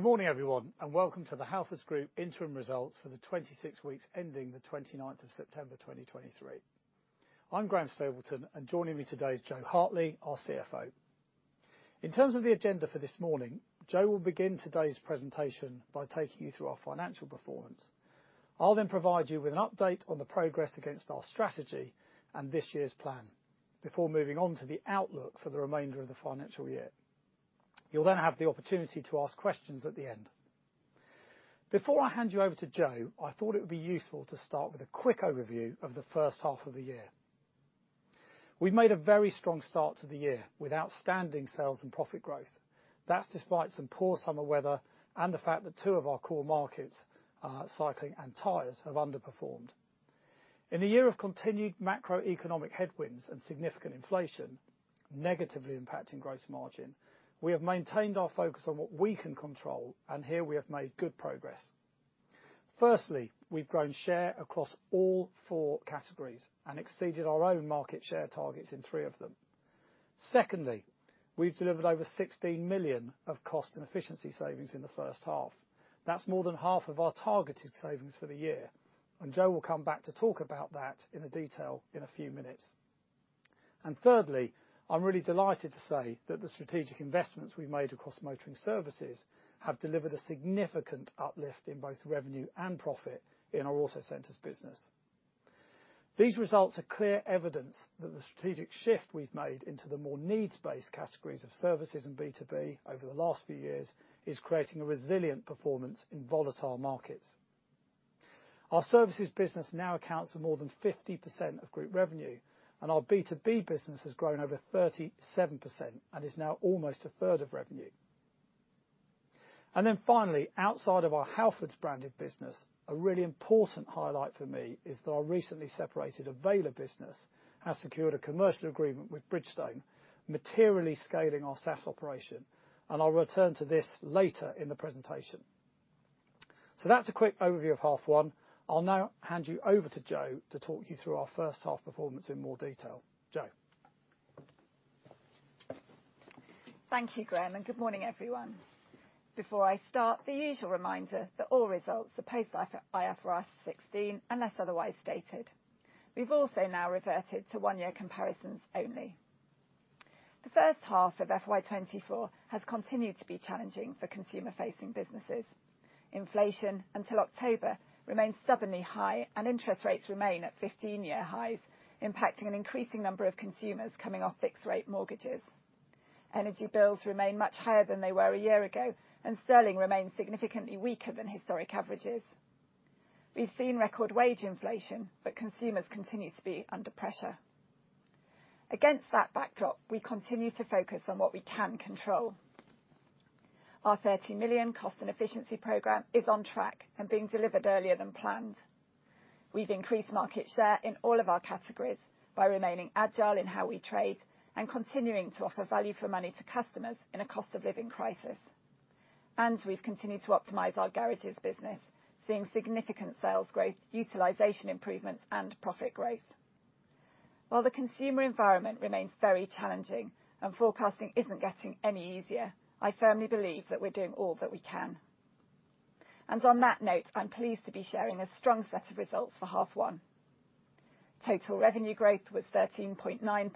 Good morning, everyone, and welcome to the Halfords Group interim results for the 26 weeks ending the 29th of September, 2023. I'm Graham Stapleton, and joining me today is Jo Hartley, our CFO. In terms of the agenda for this morning, Jo will begin today's presentation by taking you through our financial performance. I'll then provide you with an update on the progress against our strategy and this year's plan before moving on to the outlook for the remainder of the financial year. You'll then have the opportunity to ask questions at the end. Before I hand you over to Jo, I thought it would be useful to start with a quick overview of the first half of the year. We've made a very strong start to the year with outstanding sales and profit growth. That's despite some poor summer weather and the fact that two of our core markets, cycling and tyres, have underperformed. In a year of continued macroeconomic headwinds and significant inflation negatively impacting gross margin, we have maintained our focus on what we can control, and here we have made good progress. Firstly, we've grown share across all four categories and exceeded our own market share targets in three of them. Secondly, we've delivered over 16 million of cost and efficiency savings in the first half. That's more than half of our targeted savings for the year, and Jo will come back to talk about that in detail in a few minutes. And thirdly, I'm really delighted to say that the strategic investments we've made across motoring services have delivered a significant uplift in both revenue and profit in our Autocentres business. These results are clear evidence that the strategic shift we've made into the more needs-based categories of services and B2B over the last few years is creating a resilient performance in volatile markets. Our services business now accounts for more than 50% of group revenue, and our B2B business has grown over 37% and is now almost a third of revenue. And then finally, outside of our Halfords-branded business, a really important highlight for me is that our recently separated Avayler business has secured a commercial agreement with Bridgestone, materially scaling our SaaS operation, and I'll return to this later in the presentation. So that's a quick overview of half one. I'll now hand you over to Jo to talk you through our first half performance in more detail. Jo? Thank you, Graham, and good morning, everyone. Before I start, the usual reminder that all results are post IFRS 16, unless otherwise stated. We've also now reverted to one-year comparisons only. The first half of FY 2024 has continued to be challenging for consumer-facing businesses. Inflation, until October, remained stubbornly high, and interest rates remain at 15-year highs, impacting an increasing number of consumers coming off fixed rate mortgages. Energy bills remain much higher than they were a year ago, and sterling remains significantly weaker than historic averages. We've seen record wage inflation, but consumers continue to be under pressure. Against that backdrop, we continue to focus on what we can control. Our 30 million cost and efficiency program is on track and being delivered earlier than planned. We've increased market share in all of our categories by remaining agile in how we trade and continuing to offer value for money to customers in a cost of living crisis. We've continued to optimize our garages business, seeing significant sales growth, utilization improvements, and profit growth. While the consumer environment remains very challenging and forecasting isn't getting any easier, I firmly believe that we're doing all that we can. On that note, I'm pleased to be sharing a strong set of results for half one. Total revenue growth was 13.9%,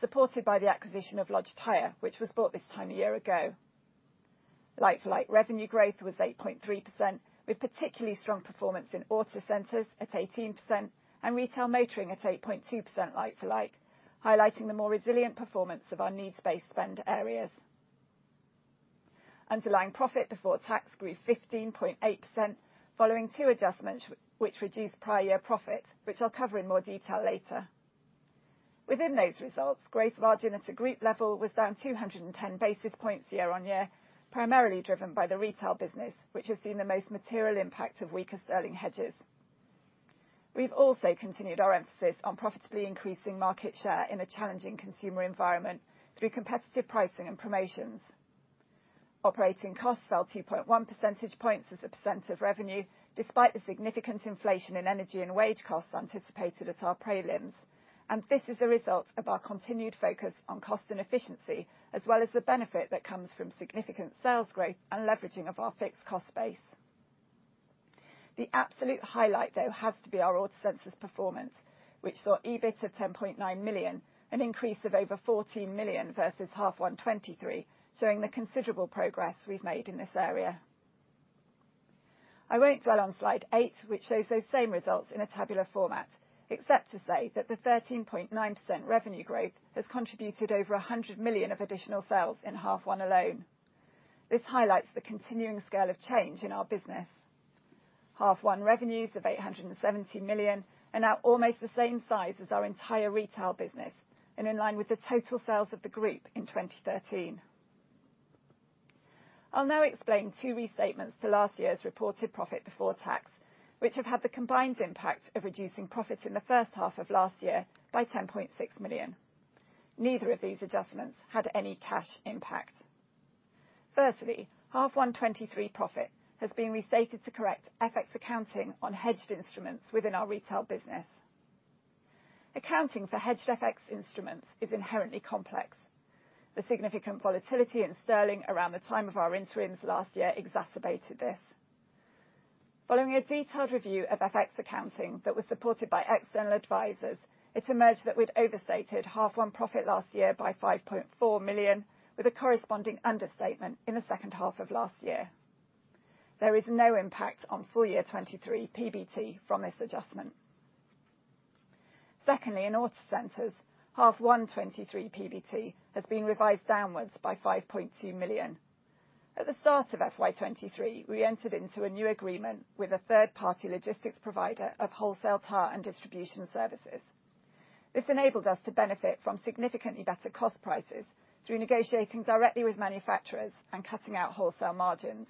supported by the acquisition of Lodge Tyre, which was bought this time a year ago. Like-for-like revenue growth was 8.3%, with particularly strong performance in Autocentres at 18% and Retail Motoring at 8.2% like-for-like, highlighting the more resilient performance of our needs-based spend areas. Underlying profit before tax grew 15.8%, following two adjustments which reduced prior year profit, which I'll cover in more detail later. Within those results, gross margin at a group level was down 210 basis points year-on-year, primarily driven by the retail business, which has seen the most material impact of weaker sterling hedges. We've also continued our emphasis on profitably increasing market share in a challenging consumer environment through competitive pricing and promotions. Operating costs fell 2.1 percentage points as a percent of revenue, despite the significant inflation in energy and wage costs anticipated at our prelims, and this is a result of our continued focus on cost and efficiency, as well as the benefit that comes from significant sales growth and leveraging of our fixed cost base. The absolute highlight, though, has to be our Autocentres performance, which saw EBIT of 10.9 million, an increase of over 14 million versus half one 2023, showing the considerable progress we've made in this area. I won't dwell on slide 8, which shows those same results in a tabular format, except to say that the 13.9% revenue growth has contributed over 100 million of additional sales in half one alone. This highlights the continuing scale of change in our business. Half one revenues of 870 million are now almost the same size as our entyre retail business and in line with the total sales of the group in 2013. I'll now explain two restatements to last year's reported profit before tax, which have had the combined impact of reducing profits in the first half of last year by 10.6 million. Neither of these adjustments had any cash impact. Firstly, half one 2023 profit has been restated to correct FX accounting on hedged instruments within our retail business. Accounting for hedged FX instruments is inherently complex. The significant volatility in sterling around the time of our interims last year exacerbated this. Following a detailed review of FX accounting that was supported by external advisors, it emerged that we'd overstated half one profit last year by 5.4 million, with a corresponding understatement in the second half of last year. There is no impact on full year 2023 PBT from this adjustment. Secondly, in Autocentres, half one 2023 PBT has been revised downwards by 5.2 million. At the start of FY 2023, we entered into a new agreement with a third-party logistics provider of wholesale part and distribution services. This enabled us to benefit from significantly better cost prices through negotiating directly with manufacturers and cutting out wholesale margins.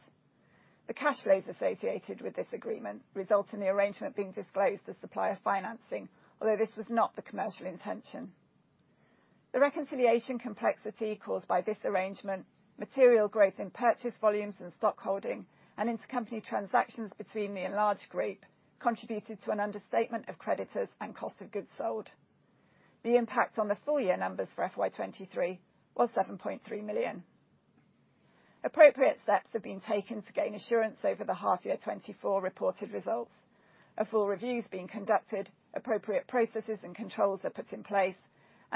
The cash flows associated with this agreement result in the arrangement being disclosed as supplier financing, although this was not the commercial intention. The reconciliation complexity caused by this arrangement, material growth in purchase volumes and stock holding, and intercompany transactions between the enlarged group contributed to an understatement of creditors and cost of goods sold. The impact on the full year numbers for FY 2023 was 7.3 million. Appropriate steps have been taken to gain assurance over the half year 2024 reported results. A full review is being conducted, appropriate processes and controls are put in place,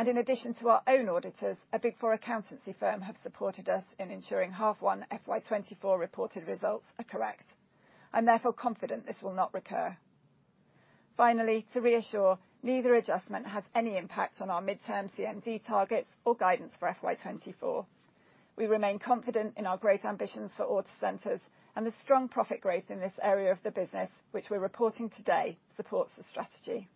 and in addition to our own auditors, a Big Four accountancy firm have supported us in ensuring H1 FY 2024 reported results are correct. I'm therefore confident this will not recur. Finally, to reassure, neither adjustment has any impact on our midterm CMD targets or guidance for FY 2024. We remain confident in our growth ambitions for Autocentres, and the strong profit growth in this area of the business, which we're reporting today, supports the strategy.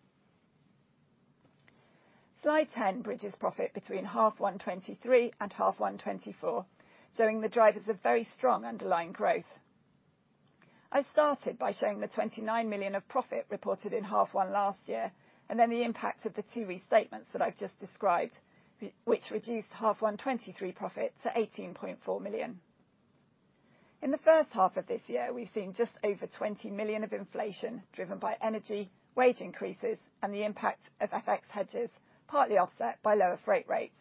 Slide 10 bridges profit between H1 2023 and H1 2024, showing the drivers of very strong underlying growth. I started by showing the 29 million of profit reported in H1 last year, and then the impact of the two restatements that I've just described, which reduced H1 2023 profit to 18.4 million. In the first half of this year, we've seen just over 20 million of inflation driven by energy, wage increases, and the impact of FX hedges, partly offset by lower freight rates.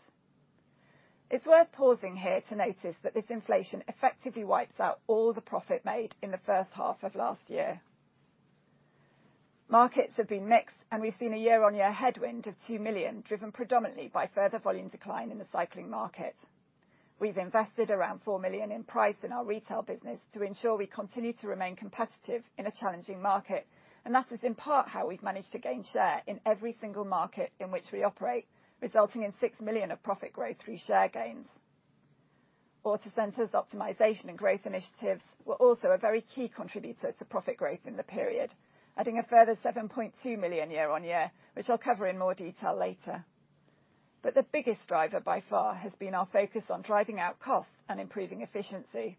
It's worth pausing here to notice that this inflation effectively wipes out all the profit made in the first half of last year. Markets have been mixed, and we've seen a year-on-year headwind of 2 million, driven predominantly by further volume decline in the cycling market. We've invested around 4 million in price in our retail business to ensure we continue to remain competitive in a challenging market, and that is in part how we've managed to gain share in every single market in which we operate, resulting in 6 million of profit growth through share gains. Autocentres optimization and growth initiatives were also a very key contributor to profit growth in the period, adding a further 7.2 million year on year, which I'll cover in more detail later. But the biggest driver by far has been our focus on driving out costs and improving efficiency.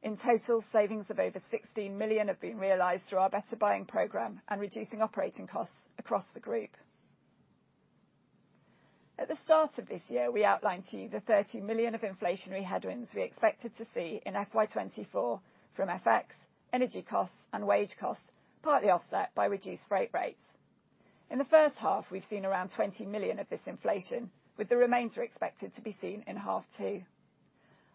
In total, savings of over 16 million have been realized through our Better Buying program and reducing operating costs across the group. At the start of this year, we outlined to you the 30 million of inflationary headwinds we expected to see in FY 2024 from FX, energy costs, and wage costs, partly offset by reduced freight rates. In the first half, we've seen around 20 million of this inflation, with the remainder expected to be seen in half two.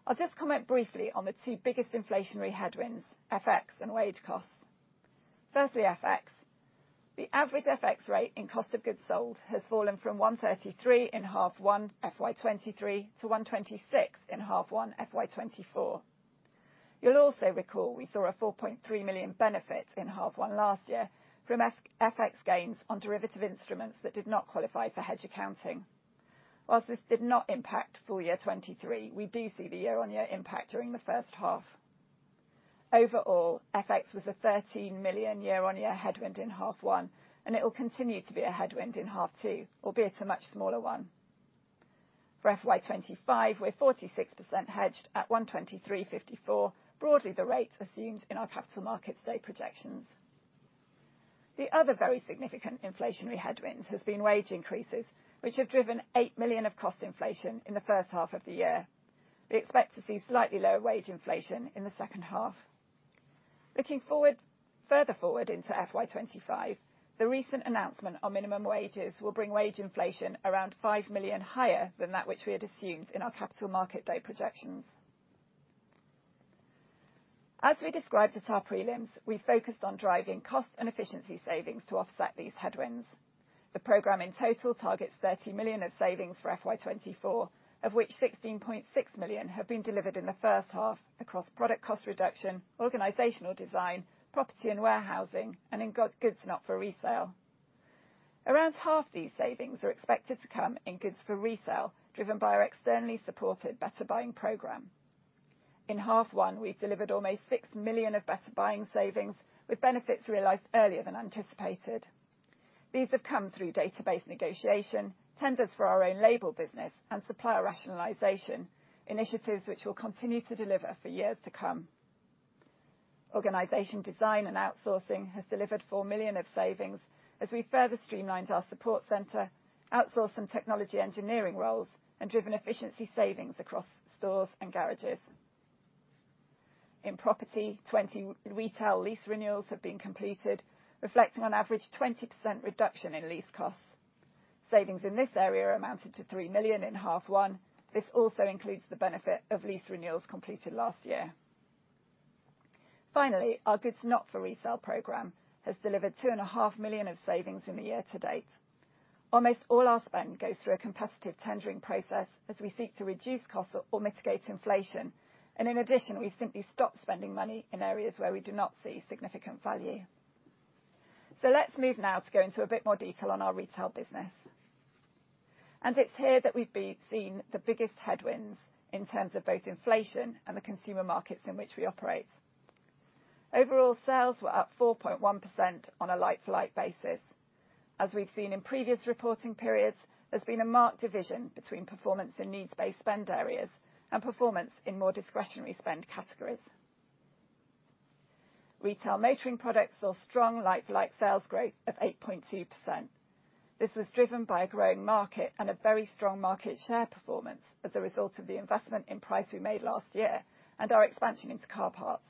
I'll just comment briefly on the two biggest inflationary headwinds, FX and wage costs. Firstly, FX. The average FX rate in cost of goods sold has fallen from 1.33 in half one FY 2023 to 1.26 in half one FY 2024. You'll also recall we saw a 4.3 million benefit in half one last year from FX gains on derivative instruments that did not qualify for hedge accounting. While this did not impact full year 2023, we do see the year-on-year impact during the first half. Overall, FX was a 13 million year-on-year headwind in half one, and it will continue to be a headwind in half two, albeit a much smaller one. For FY 2025, we're 46% hedged at 1.2354, broadly the rate assumed in our Capital Markets Day projections. The other very significant inflationary headwinds has been wage increases, which have driven 8 million of cost inflation in the first half of the year. We expect to see slightly lower wage inflation in the second half. Looking forward, further forward into FY 2025, the recent announcement on minimum wages will bring wage inflation around 5 million higher than that which we had assumed in our capital market day projections. As we described at our prelims, we focused on driving cost and efficiency savings to offset these headwinds. The program in total targets 30 million of savings for FY 2024, of which 16.6 million have been delivered in the first half across product cost reduction, organizational design, property and warehousing, and in GNFR, goods not for resale. Around half these savings are expected to come in goods for resale, driven by our externally supported Better Buying program. In half one, we've delivered almost 6 million of Better Buying savings, with benefits realized earlier than anticipated. These have come through database negotiation, tenders for our own label business, and supplier rationalization, initiatives which will continue to deliver for years to come. Organization design and outsourcing has delivered 4 million of savings as we further streamlined our support center, outsourced some technology engineering roles, and driven efficiency savings across stores and garages. In property, 20 retail lease renewals have been completed, reflecting on average 20% reduction in lease costs. Savings in this area amounted to 3 million in half one. This also includes the benefit of lease renewals completed last year. Finally, our Goods Not For Resale program has delivered 2.5 million of savings in the year to date. Almost all our spend goes through a competitive tendering process as we seek to reduce costs or mitigate inflation, and in addition, we've simply stopped spending money in areas where we do not see significant value. So let's move now to go into a bit more detail on our retail business. It's here that we've seen the biggest headwinds in terms of both inflation and the consumer markets in which we operate. Overall, sales were up 4.1% on a like-for-like basis. As we've seen in previous reporting periods, there's been a marked division between performance in needs-based spend areas and performance in more discretionary spend categories. Retail motoring products saw strong like-for-like sales growth of 8.2%. This was driven by a growing market and a very strong market share performance as a result of the investment in price we made last year and our expansion into car parts.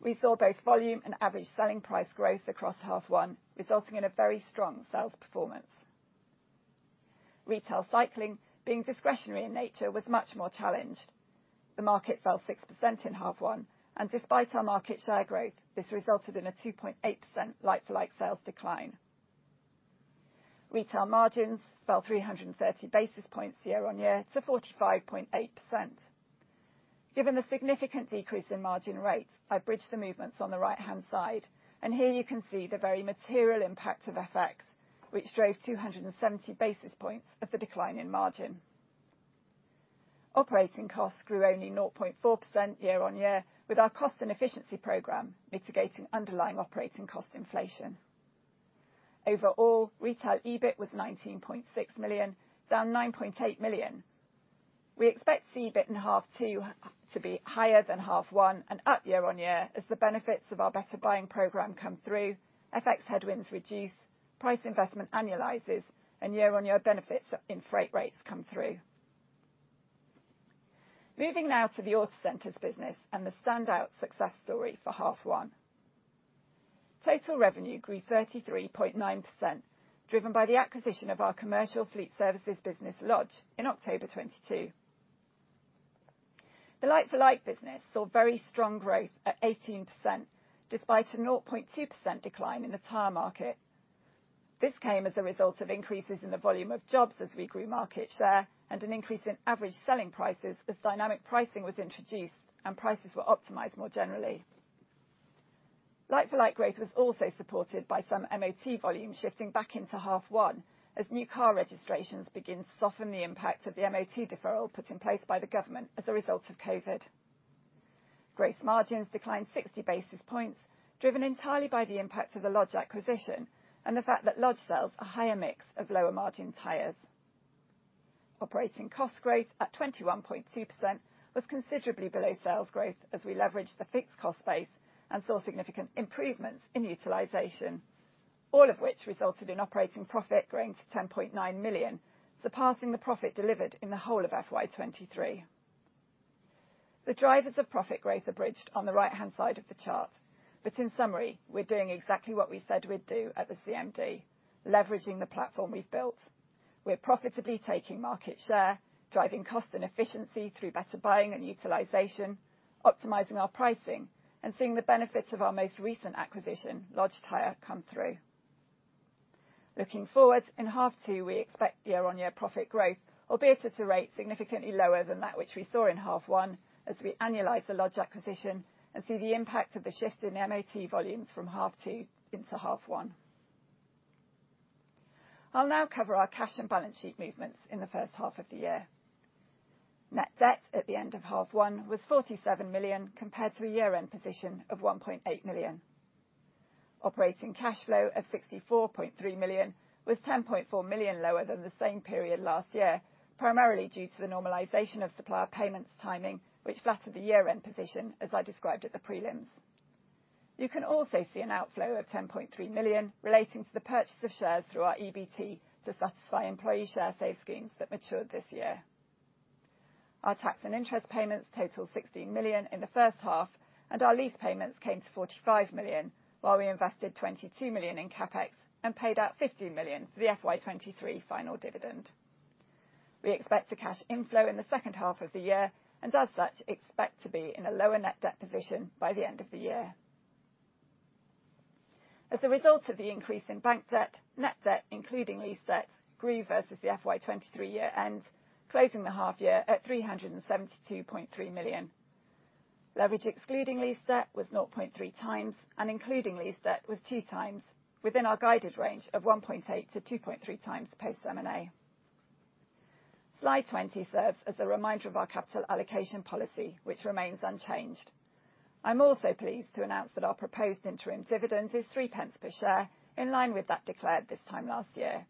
We saw both volume and average selling price growth across half one, resulting in a very strong sales performance. Retail cycling, being discretionary in nature, was much more challenged. The market fell 6% in half one, and despite our market share growth, this resulted in a 2.8% like-for-like sales decline. Retail margins fell 330 basis points year-on-year to 45.8%. Given the significant decrease in margin rates, I bridged the movements on the right-hand side, and here you can see the very material impact of FX, which drove 270 basis points of the decline in margin. Operating costs grew only 0.4% year-on-year, with our cost and efficiency program mitigating underlying operating cost inflation. Overall, retail EBIT was 19.6 million, down 9.8 million. We expect the EBIT in half two to be higher than half one and up year-on-year as the benefits of our better buying program come through, FX headwinds reduce, price investment annualizes, and year-on-year benefits in freight rates come through. Moving now to the Autocentres business and the standout success story for half one. Total revenue grew 33.9%, driven by the acquisition of our commercial fleet services business, Lodge, in October 2022. The like-for-like business saw very strong growth at 18%, despite a 0.2% decline in the tyre market. This came as a result of increases in the volume of jobs as we grew market share, and an increase in average selling prices as dynamic pricing was introduced and prices were optimized more generally. Like-for-like growth was also supported by some MOT volume shifting back into half one as new car registrations begin to soften the impact of the MOT deferral put in place by the government as a result of COVID. Gross margins declined 60 basis points, driven entyrely by the impact of the Lodge acquisition and the fact that Lodge sells a higher mix of lower-margin tyres. Operating cost growth at 21.2% was considerably below sales growth as we leveraged the fixed cost base and saw significant improvements in utilization, all of which resulted in operating profit growing to 10.9 million, surpassing the profit delivered in the whole of FY 2023. The drivers of profit growth are bridged on the right-hand side of the chart, but in summary, we're doing exactly what we said we'd do at the CMD, leveraging the platform we've built. We're profitably taking market share, driving cost and efficiency through better buying and utilization, optimizing our pricing, and seeing the benefits of our most recent acquisition, Lodge Tyre, come through. Looking forward, in half two, we expect year-on-year profit growth, albeit at a rate significantly lower than that which we saw in half one, as we annualize the Lodge acquisition and see the impact of the shift in the MOT volumes from half two into half one. I'll now cover our cash and balance sheet movements in the first half of the year. Net debt at the end of half one was 47 million, compared to a year-end position of 1.8 million. Operating cash flow of 64.3 million was 10.4 million lower than the same period last year, primarily due to the normalization of supplier payments timing, which flattered the year-end position as I described at the prelims. You can also see an outflow of 10.3 million relating to the purchase of shares through our EBT to satisfy employee Sharesave schemes that matured this year. Our tax and interest payments totaled 16 million in the first half, and our lease payments came to 45 million, while we invested 22 million in CapEx and paid out 15 million for the FY 2023 final dividend. We expect a cash inflow in the second half of the year, and as such, expect to be in a lower net debt position by the end of the year. As a result of the increase in bank debt, net debt, including lease debt, grew versus the FY 2023 year end, closing the half year at 372.3 million. Leverage, excluding lease debt, was 0.3 times, and including lease debt, was two times, within our guided range of 1.8-2.3 times post M&A. Slide 20 serves as a reminder of our capital allocation policy, which remains unchanged. I'm also pleased to announce that our proposed interim dividend is three pence per share, in line with that declared this time last year.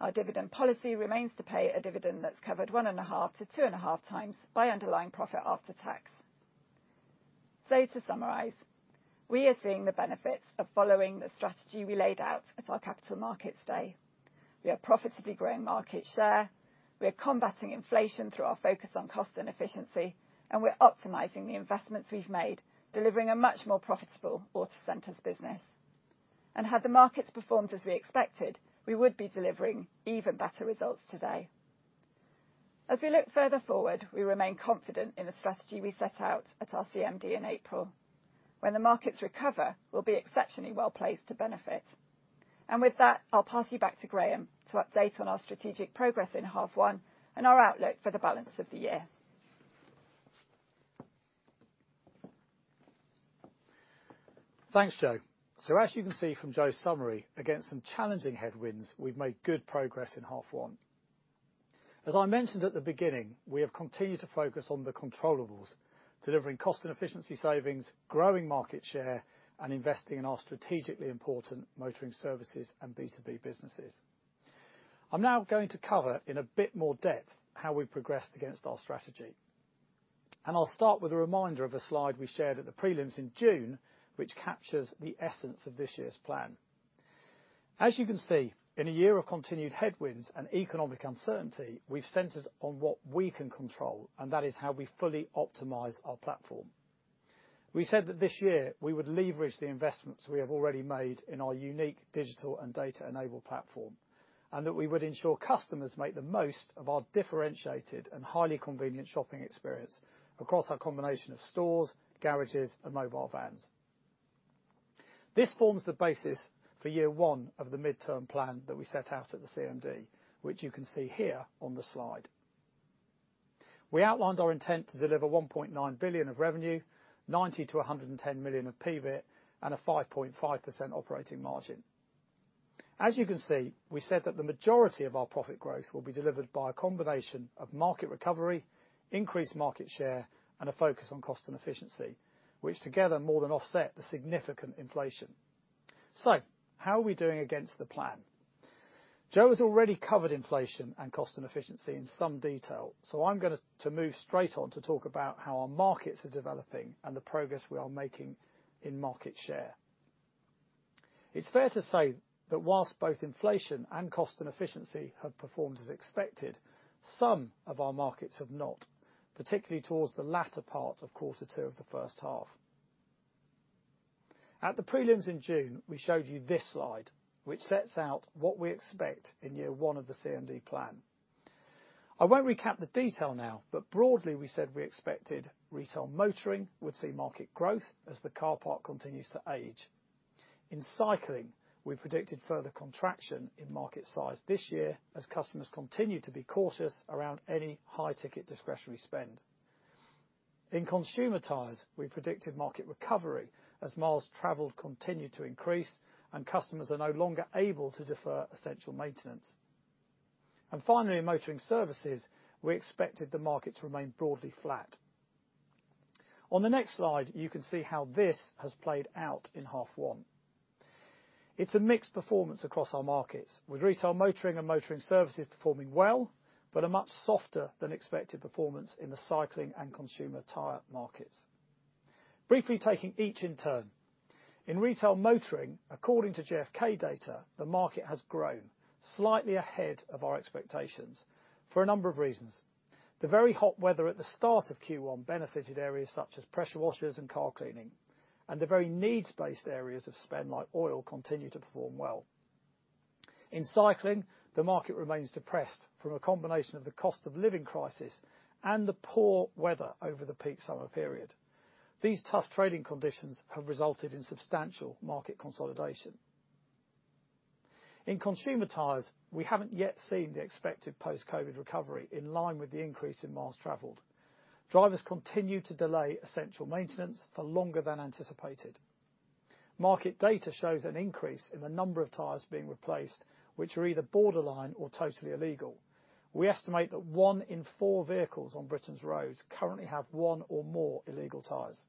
Our dividend policy remains to pay a dividend that's covered 1.5-2.5 times by underlying profit after tax. So to summarize-... We are seeing the benefits of following the strategy we laid out at our Capital Markets Day. We are profitably growing market share, we are combating inflation through our focus on cost and efficiency, and we're optimizing the investments we've made, delivering a much more profitable Autocentres business. Had the markets performed as we expected, we would be delivering even better results today. As we look further forward, we remain confident in the strategy we set out at our CMD in April. When the markets recover, we'll be exceptionally well-placed to benefit. With that, I'll pass you back to Graham to update on our strategic progress in half one and our outlook for the balance of the year. Thanks Jo, So as you can see from Jo's summary, against some challenging headwinds, we've made good progress in half one. As I mentioned at the beginning, we have continued to focus on the controllables, delivering cost and efficiency savings, growing market share, and investing in our strategically important motoring services and B2B businesses. I'm now going to cover, in a bit more depth, how we've progressed against our strategy. I'll start with a reminder of a slide we shared at the prelims in June, which captures the essence of this year's plan. As you can see, in a year of continued headwinds and economic uncertainty, we've centered on what we can control, and that is how we fully optimize our platform. We said that this year we would leverage the investments we have already made in our unique digital and data-enabled platform, and that we would ensure customers make the most of our differentiated and highly convenient shopping experience across our combination of stores, garages, and mobile vans. This forms the basis for year one of the midterm plan that we set out at the CMD, which you can see here on the slide. We outlined our intent to deliver 1.9 billion of revenue, 90 million-110 million of PBIT, and a 5.5% operating margin. As you can see, we said that the majority of our profit growth will be delivered by a combination of market recovery, increased market share, and a focus on cost and efficiency, which together more than offset the significant inflation. So, how are we doing against the plan? Jo has already covered inflation and cost and efficiency in some detail, so I'm going to move straight on to talk about how our markets are developing and the progress we are making in market share. It's fair to say that while both inflation and cost and efficiency have performed as expected, some of our markets have not, particularly towards the latter part of quarter two of the first half. At the prelims in June, we showed you this slide, which sets out what we expect in year one of the CMD plan. I won't recap the detail now, but broadly, we said we expected retail motoring would see market growth as the car park continues to age. In cycling, we predicted further contraction in market size this year, as customers continue to be cautious around any high-ticket discretionary spend. In consumer tyres, we predicted market recovery as miles traveled continued to increase and customers are no longer able to defer essential maintenance. Finally, in motoring services, we expected the market to remain broadly flat. On the next slide, you can see how this has played out in half one. It's a mixed performance across our markets, with retail motoring and motoring services performing well, but a much softer than expected performance in the cycling and consumer tyre markets. Briefly taking each in turn. In retail motoring, according to GfK data, the market has grown slightly ahead of our expectations for a number of reasons. The very hot weather at the start of Q1 benefited areas such as pressure washers and car cleaning, and the very needs-based areas of spend, like oil, continue to perform well. In cycling, the market remains depressed from a combination of the cost of living crisis and the poor weather over the peak summer period. These tough trading conditions have resulted in substantial market consolidation. In consumer tyres, we haven't yet seen the expected post-COVID recovery in line with the increase in miles traveled. Drivers continue to delay essential maintenance for longer than anticipated. Market data shows an increase in the number of tyres being replaced, which are either borderline or totally illegal. We estimate that one in four vehicles on Britain's roads currently have one or more illegal tyres.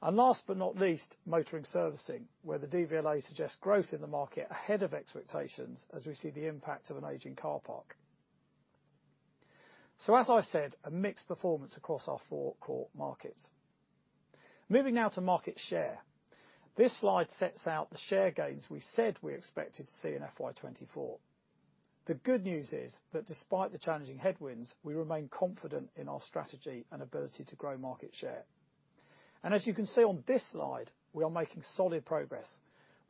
And last but not least, motoring servicing, where the DVLA suggests growth in the market ahead of expectations as we see the impact of an aging car park. So, as I said, a mixed performance across our four core markets. Moving now to market share. This slide sets out the share gains we said we expected to see in FY 2024. The good news is that despite the challenging headwinds, we remain confident in our strategy and ability to grow market share. As you can see on this slide, we are making solid progress,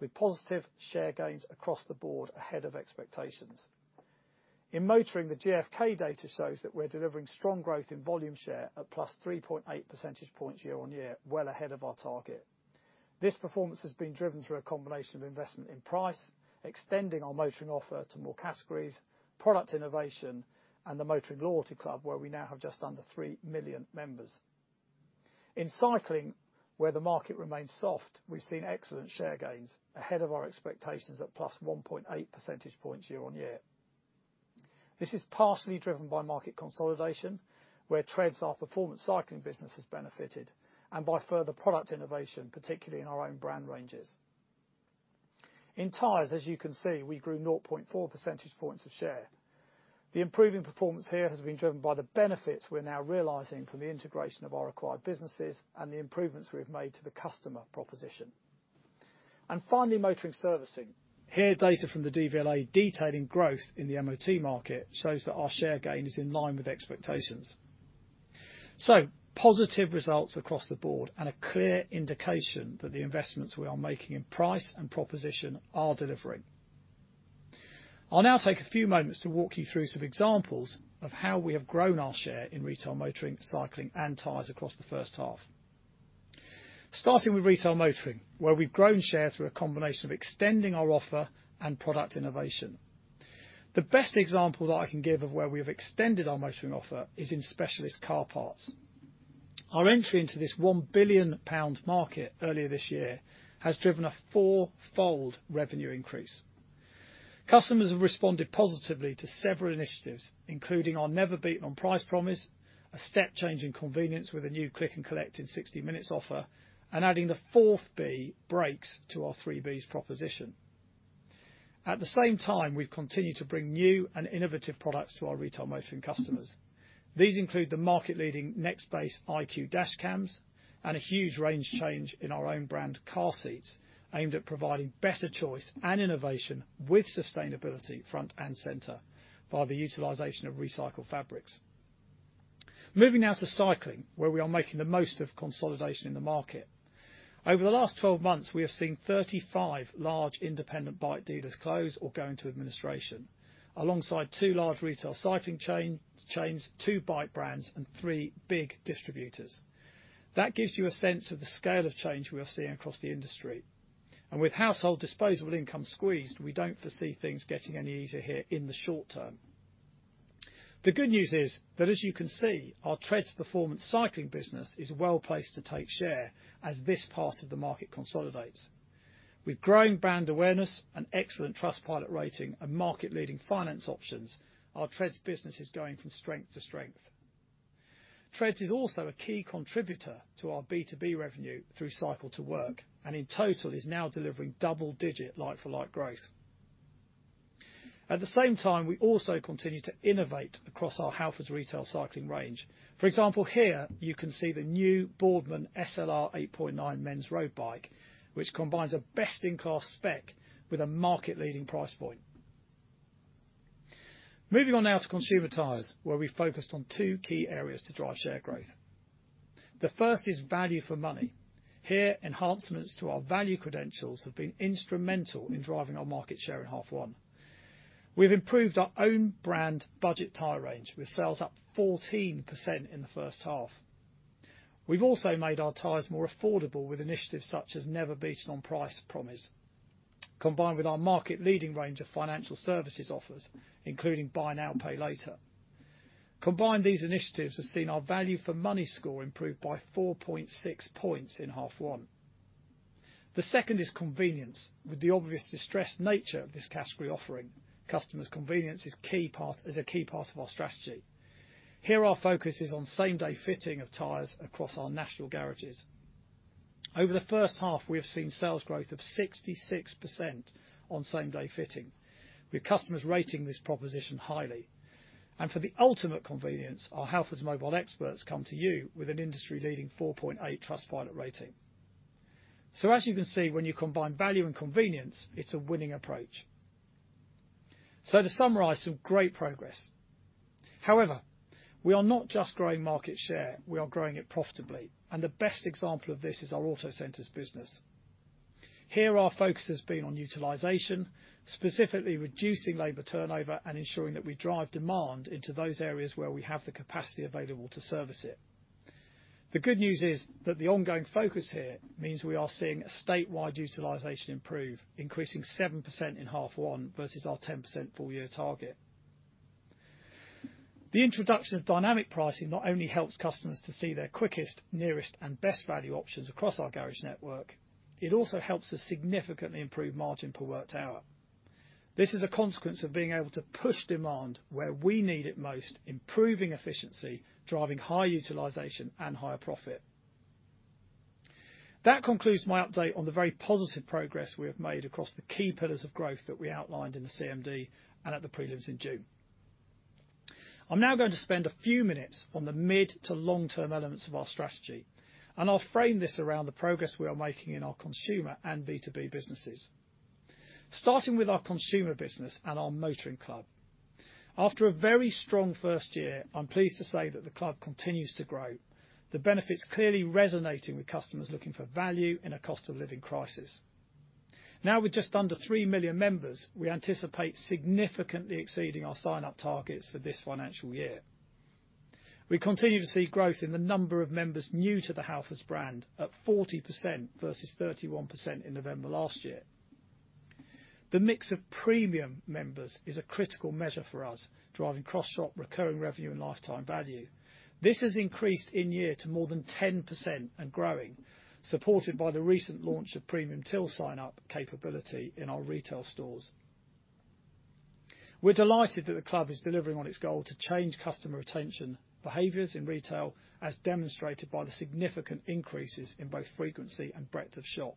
with positive share gains across the board ahead of expectations. In motoring, the GfK data shows that we're delivering strong growth in volume share at plus 3.8 percentage points year-on-year, well ahead of our target. This performance has been driven through a combination of investment in price, extending our motoring offer to more categories, product innovation, and the Motoring Loyalty Club, where we now have just under 3 million members. In cycling, where the market remains soft, we've seen excellent share gains ahead of our expectations at plus 1.8 percentage points year-on-year. This is partially driven by market consolidation, where Tredz, our performance cycling business, has benefited, and by further product innovation, particularly in our own brand ranges.... In tyres, as you can see, we grew 0.4 percentage points of share. The improving performance here has been driven by the benefits we're now realizing from the integration of our acquired businesses and the improvements we have made to the customer proposition. And finally, motoring servicing. Here, data from the DVLA detailing growth in the MOT market shows that our share gain is in line with expectations. So positive results across the board, and a clear indication that the investments we are making in price and proposition are delivering. I'll now take a few moments to walk you through some examples of how we have grown our share in retail motoring, cycling, and tyres across the first half. Starting with retail motoring, where we've grown share through a combination of extending our offer and product innovation. The best example that I can give of where we have extended our motoring offer is in specialist car parts. Our entry into this 1 billion pound market earlier this year has driven a four-fold revenue increase. Customers have responded positively to several initiatives, including our Never Beaten on Price promise, a step change in convenience with a new click and collect in 60 minutes offer, and adding the fourth B, brakes, to our Three Bs proposition. At the same time, we've continued to bring new and innovative products to our retail motoring customers. These include the market-leading Nextbase iQ dash cams and a huge range change in our own brand car seats, aimed at providing better choice and innovation with sustainability front and center, by the utilization of recycled fabrics. Moving now to cycling, where we are making the most of consolidation in the market. Over the last 12 months, we have seen 35 large independent bike dealers close or go into administration, alongside two large retail cycling chains, two bike brands, and three big distributors. That gives you a sense of the scale of change we are seeing across the industry, and with household disposable income squeezed, we don't foresee things getting any easier here in the short term. The good news is that, as you can see, our Tredz performance cycling business is well-placed to take share as this part of the market consolidates. With growing brand awareness and excellent Trustpilot rating and market-leading finance options, our Tredz business is going from strength to strength. Tredz is also a key contributor to our B2B revenue through Cycle to Work, and in total, is now delivering double-digit like-for-like growth. At the same time, we also continue to innovate across our Halfords retail cycling range. For example, here you can see the new Boardman SLR 8.9 men's road bike, which combines a best-in-class spec with a market-leading price point. Moving on now to consumer tyres, where we focused on two key areas to drive share growth. The first is value for money. Here, enhancements to our value credentials have been instrumental in driving our market share in half one. We've improved our own brand budget tyre range, with sales up 14% in the first half. We've also made our tyres more affordable with initiatives such as Never Beaten on Price promise, combined with our market-leading range of financial services offers, including Buy Now, Pay Later. Combined, these initiatives have seen our value for money score improve by 4.6 points in half one. The second is convenience. With the obvious distressed nature of this category offering, customers' convenience is key part, is a key part of our strategy. Here, our focus is on same-day fitting of tyres across our national garages. Over the first half, we have seen sales growth of 66% on same-day fitting, with customers rating this proposition highly. And for the ultimate convenience, our Halfords Mobile experts come to you with an industry-leading 4.8 Trustpilot rating. So as you can see, when you combine value and convenience, it's a winning approach. So to summarize, some great progress. However, we are not just growing market share, we are growing it profitably, and the best example of this is our Autocentres business. Here, our focus has been on utilization, specifically reducing labor turnover and ensuring that we drive demand into those areas where we have the capacity available to service it. The good news is that the ongoing focus here means we are seeing a statewide utilization improve, increasing 7% in half one versus our 10% full year target. The introduction of dynamic pricing not only helps customers to see their quickest, nearest, and best value options across our garage network, it also helps us significantly improve margin per worked hour. This is a consequence of being able to push demand where we need it most, improving efficiency, driving higher utilization and higher profit. That concludes my update on the very positive progress we have made across the key pillars of growth that we outlined in the CMD and at the prelims in June. I'm now going to spend a few minutes on the mid to long-term elements of our strategy, and I'll frame this around the progress we are making in our consumer and B2B businesses. Starting with our consumer business and our Motoring Club. After a very strong first year, I'm pleased to say that the club continues to grow, the benefits clearly resonating with customers looking for value in a cost of living crisis. Now, with just under 3 million members, we anticipate significantly exceeding our sign-up targets for this financial year. We continue to see growth in the number of members new to the Halfords brand, up 40% versus 31% in November last year. The mix of premium members is a critical measure for us, driving cross-shop recurring revenue and lifetime value. This has increased in year to more than 10% and growing, supported by the recent launch of Premium till sign-up capability in our retail stores.... We're delighted that the club is delivering on its goal to change customer retention behaviors in retail, as demonstrated by the significant increases in both frequency and breadth of shop.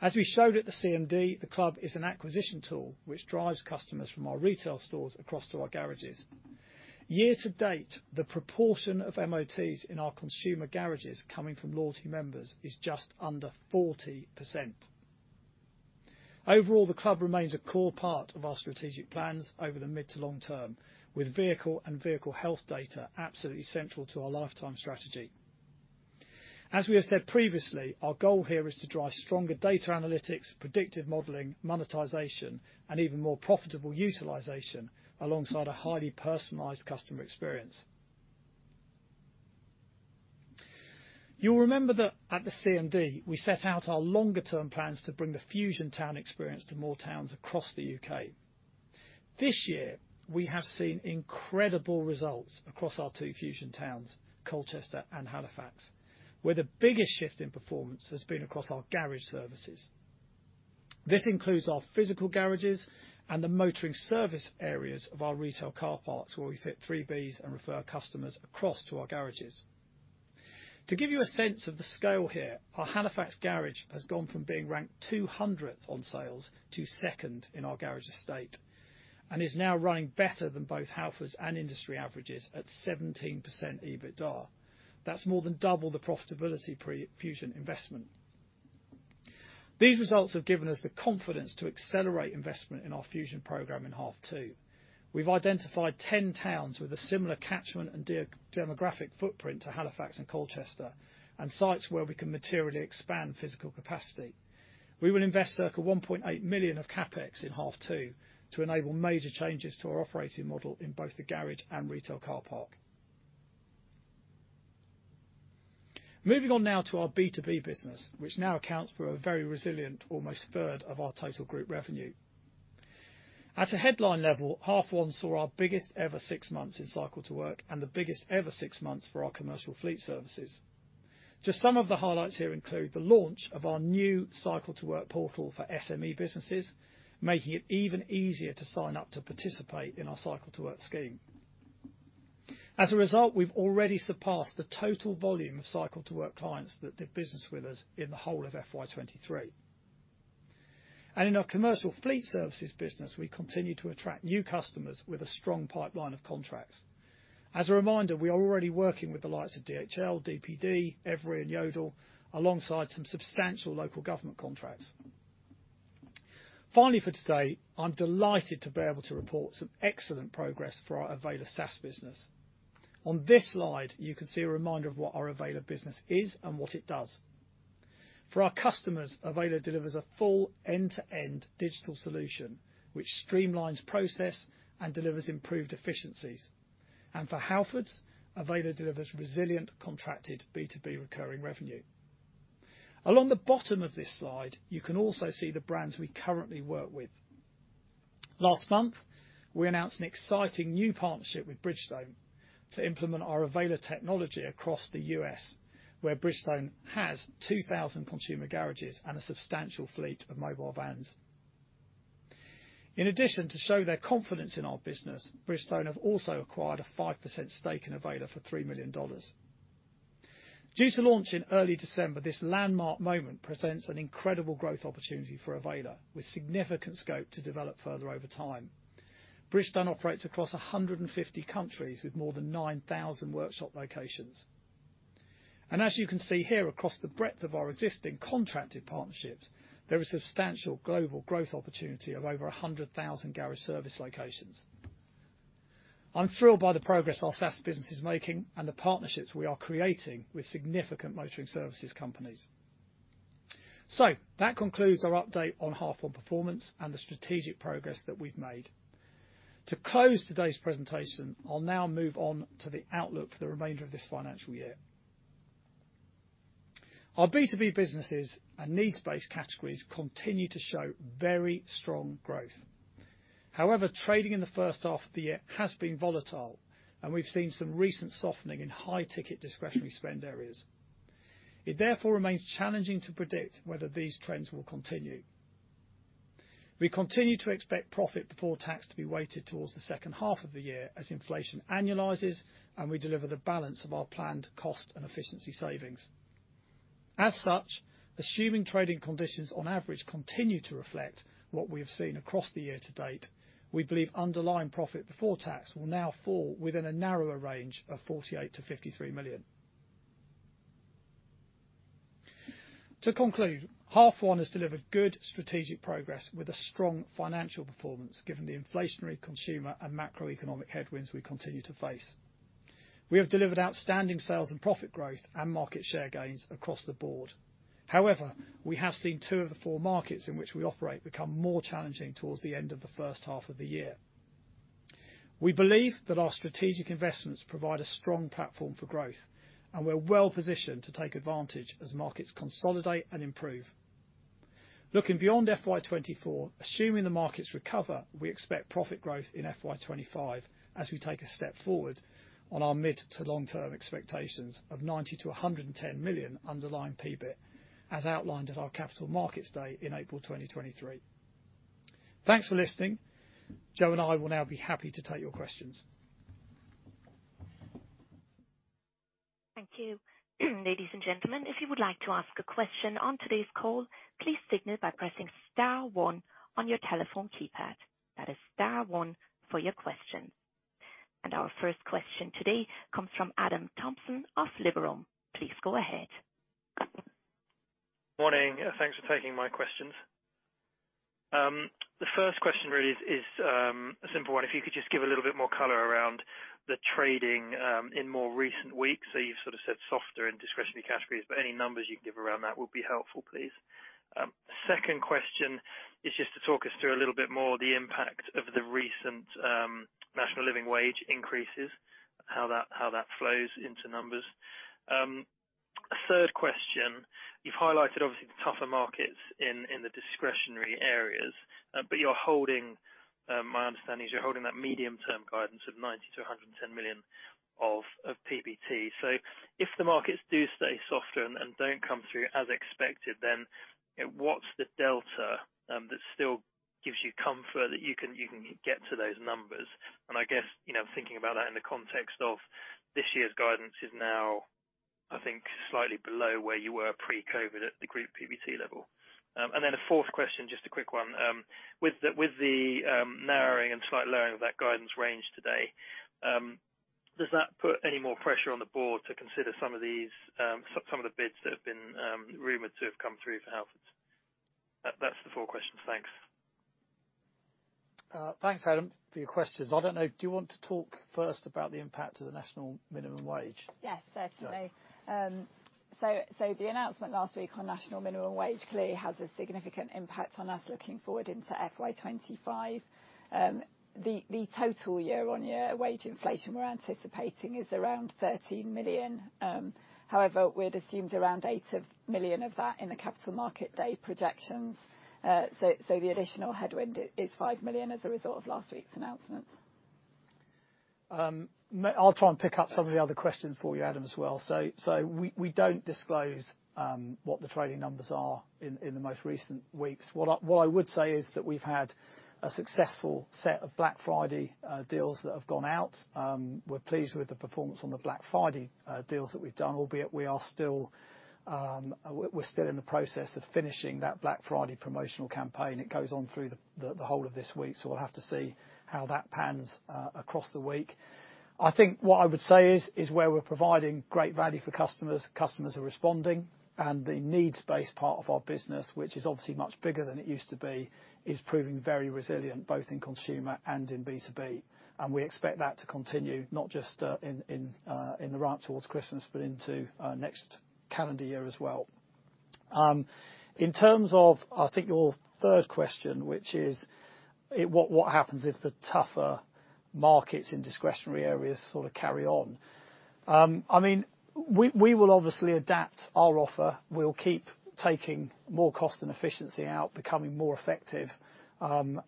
As we showed at the CMD, the club is an acquisition tool which drives customers from our retail stores across to our garages. Year to date, the proportion of MOTs in our consumer garages coming from loyalty members is just under 40%. Overall, the club remains a core part of our strategic plans over the mid to long term, with vehicle and vehicle health data absolutely central to our lifetime strategy. As we have said previously, our goal here is to drive stronger data analytics, predictive modeling, monetization, and even more profitable utilization, alongside a highly personalized customer experience. You'll remember that at the CMD, we set out our longer-term plans to bring the Fusion town experience to more towns across the UK This year, we have seen incredible results across our two Fusion towns, Colchester and Halifax, where the biggest shift in performance has been across our garage services. This includes our physical garages and the motoring service areas of our retail car parks, where we fit Three Bs and refer customers across to our garages. To give you a sense of the scale here, our Halifax garage has gone from being ranked 200th on sales to 2nd in our garage estate, and is now running better than both Halfords and industry averages at 17% EBITDA. That's more than double the profitability pre-Fusion investment. These results have given us the confidence to accelerate investment in our Fusion program in half two. We've identified 10 towns with a similar catchment and demographic footprint to Halifax and Colchester, and sites where we can materially expand physical capacity. We will invest circa 1.8 million of CapEx in half two to enable major changes to our operating model in both the garage and retail car park. Moving on now to our B2B business, which now accounts for a very resilient, almost third of our total group revenue. At a headline level, half one saw our biggest ever six months in Cycle to Work, and the biggest ever six months for our commercial fleet services. Just some of the highlights here include the launch of our new Cycle to Work portal for SME businesses, making it even easier to sign up to participate in our Cycle to Work scheme. As a result, we've already surpassed the total volume of Cycle to Work clients that did business with us in the whole of FY 2023. In our commercial fleet services business, we continue to attract new customers with a strong pipeline of contracts. As a reminder, we are already working with the likes of DHL, DPD, Evri, and Yodel, alongside some substantial local government contracts. Finally, for today, I'm delighted to be able to report some excellent progress for our Avayler SaaS business. On this slide, you can see a reminder of what our Avayler business is and what it does. For our customers, Avayler delivers a full end-to-end digital solution, which streamlines process and delivers improved efficiencies. For Halfords, Avayler delivers resilient, contracted, B2B recurring revenue. Along the bottom of this slide, you can also see the brands we currently work with. Last month, we announced an exciting new partnership with Bridgestone to implement our Avayler technology across the U.S., where Bridgestone has 2,000 consumer garages and a substantial fleet of mobile vans. In addition, to show their confidence in our business, Bridgestone have also acquired a 5% stake in Avayler for $3 million. Due to launch in early December, this landmark moment presents an incredible growth opportunity for Avayler, with significant scope to develop further over time. Bridgestone operates across 150 countries with more than 9,000 workshop locations. And as you can see here, across the breadth of our existing contracted partnerships, there is substantial global growth opportunity of over 100,000 garage service locations. I'm thrilled by the progress our SaaS business is making and the partnerships we are creating with significant motoring services companies. So that concludes our update on first half performance and the strategic progress that we've made. To close today's presentation, I'll now move on to the outlook for the remainder of this financial year. Our B2B businesses and needs-based categories continue to show very strong growth. However, trading in the first half of the year has been volatile, and we've seen some recent softening in high-ticket discretionary spend areas. It therefore remains challenging to predict whether these trends will continue. We continue to expect profit before tax to be weighted towards the second half of the year as inflation annualizes and we deliver the balance of our planned cost and efficiency savings. As such, assuming trading conditions on average continue to reflect what we have seen across the year to date, we believe underlying profit before tax will now fall within a narrower range of 48 million-53 million. To conclude, H1 has delivered good strategic progress with a strong financial performance, given the inflationary consumer and macroeconomic headwinds we continue to face. We have delivered outstanding sales and profit growth and market share gains across the board. However, we have seen two of the four markets in which we operate become more challenging towards the end of the first half of the year. We believe that our strategic investments provide a strong platform for growth, and we're well positioned to take advantage as markets consolidate and improve. Looking beyond FY 2024, assuming the markets recover, we expect profit growth in FY 2025 as we take a step forward on our mid to long-term expectations of 90-110 million underlying PBIT, as outlined at our Capital Markets Day in April 2023. Thanks for listening. Jo and I will now be happy to take your questions. Thank you. Ladies and gentlemen, if you would like to ask a question on today's call, please signal by pressing star one on your telephone keypad. That is star one for your question. And our first question today comes from Adam Tomlinson of Liberum. Please go ahead. Morning. Thanks for taking my questions. The first question really is a simple one. If you could just give a little bit more color around the trading in more recent weeks. So you've sort of said softer in discretionary categories, but any numbers you can give around that would be helpful, please. Second question is just to talk us through a little bit more the impact of the recent National Living Wage increases, how that flows into numbers. A third question, you've highlighted, obviously, the tougher markets in the discretionary areas, but you're holding, my understanding is you're holding that medium-term guidance of 90 million-110 million of PBT. So if the markets do stay softer and don't come through as expected, then, you know, what's the delta that still gives you comfort that you can get to those numbers? And I guess, you know, thinking about that in the context of this year's guidance is now, I think, slightly below where you were pre-COVID at the group PBT level. And then a fourth question, just a quick one. With the narrowing and slight lowering of that guidance range today, does that put any more pressure on the board to consider some of these, some of the bids that have been rumored to have come through for Halfords? That's the four questions. Thanks. Thanks, Adam, for your questions. I don't know, do you want to talk first about the impact of the National Minimum Wage? Yes, certainly. So, the announcement last week on National Minimum Wage clearly has a significant impact on us looking forward into FY 2025. The total year-on-year wage inflation we're anticipating is around 13 million. However, we'd assumed around 8 million of that in the Capital Markets Day projections. So, the additional headwind is 5 million as a result of last week's announcements. I'll try and pick up some of the other questions for you, Adam, as well. So, so we, we don't disclose what the trading numbers are in, in the most recent weeks. What I, what I would say is that we've had a successful set of Black Friday deals that have gone out. We're pleased with the performance on the Black Friday deals that we've done, albeit we are still, we're, we're still in the process of finishing that Black Friday promotional campaign. It goes on through the, the, the whole of this week, so we'll have to see how that pans across the week. I think what I would say is where we're providing great value for customers, customers are responding, and the needs-based part of our business, which is obviously much bigger than it used to be, is proving very resilient, both in consumer and in B2B. And we expect that to continue, not just in the run-up towards Christmas, but into next calendar year as well. In terms of, I think, your third question, which is what happens if the tougher markets in discretionary areas sort of carry on? I mean, we will obviously adapt our offer. We'll keep taking more cost and efficiency out, becoming more effective and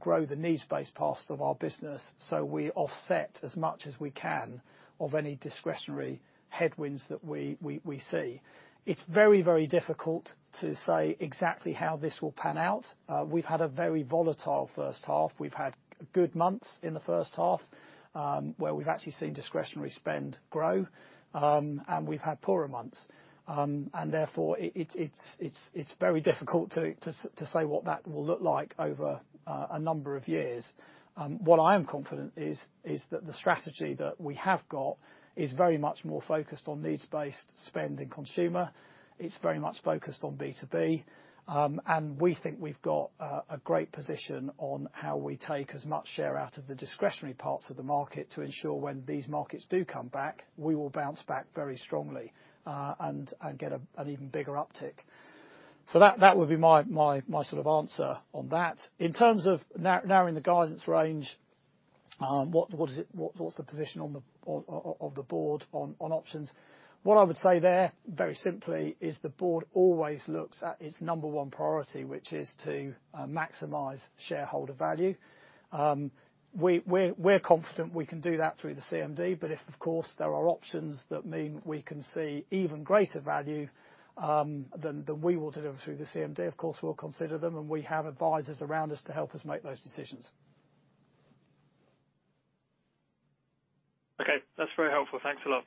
grow the needs-based parts of our business, so we offset as much as we can of any discretionary headwinds that we see. It's very, very difficult to say exactly how this will pan out. We've had a very volatile first half. We've had good months in the first half, where we've actually seen discretionary spend grow, and we've had poorer months. And therefore, it's very difficult to say what that will look like over a number of years. What I am confident is that the strategy that we have got is very much more focused on needs-based spend in consumer. It's very much focused on B2B, and we think we've got a great position on how we take as much share out of the discretionary parts of the market to ensure when these markets do come back, we will bounce back very strongly, and get an even bigger uptick. So that would be my sort of answer on that. In terms of narrowing the guidance range, what is the position of the board on options? What I would say there, very simply, is the board always looks at its number one priority, which is to maximize shareholder value. We're confident we can do that through the CMD, but if, of course, there are options that mean we can see even greater value, then we will deliver through the CMD. Of course, we'll consider them, and we have advisors around us to help us make those decisions. Okay. That's very helpful. Thanks a lot.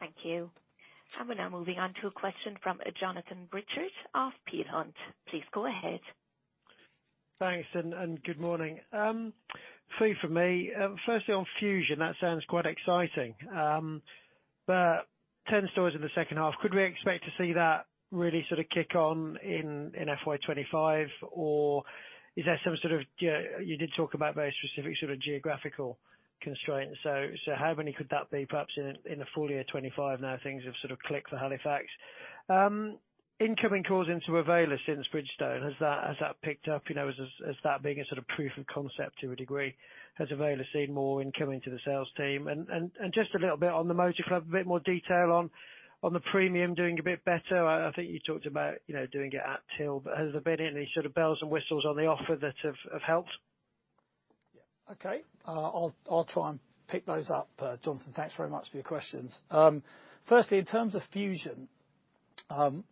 Thank you. We're now moving on to a question from Jonathan Pritchard of Peel Hunt. Please go ahead. Thanks, and good morning. Three from me. Firstly, on Fusion, that sounds quite exciting. But 10 stores in the second half, could we expect to see that really sort of kick on in FY 2025? Or is there some sort of, you know, you did talk about very specific sort of geographical constraints. So how many could that be, perhaps in the full year 2025 now things have sort of clicked for Halifax? Incoming calls into Avayler since Bridgestone, has that picked up, you know, as that being a sort of proof of concept to a degree? Has Avayler seen more incoming to the sales team? And just a little bit on the Motoring Club, a bit more detail on the premium doing a bit better. I think you talked about, you know, doing it at till, but has there been any sort of bells and whistles on the offer that have helped? Okay. I'll try and pick those up, Jonathan. Thanks very much for your questions. Firstly, in terms of Fusion.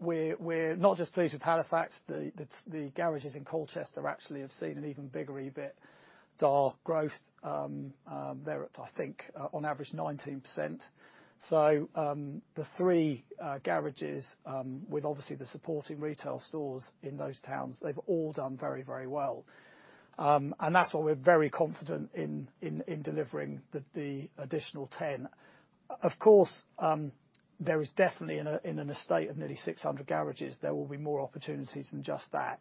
We're not just pleased with Halifax. The garages in Colchester actually have seen an even bigger EBITDAR growth. They're at, I think, on average, 19%. So, the three garages, with obviously the supporting retail stores in those towns, they've all done very, very well. And that's why we're very confident in delivering the additional 10. Of course, there is definitely in an estate of nearly 600 garages, there will be more opportunities than just that.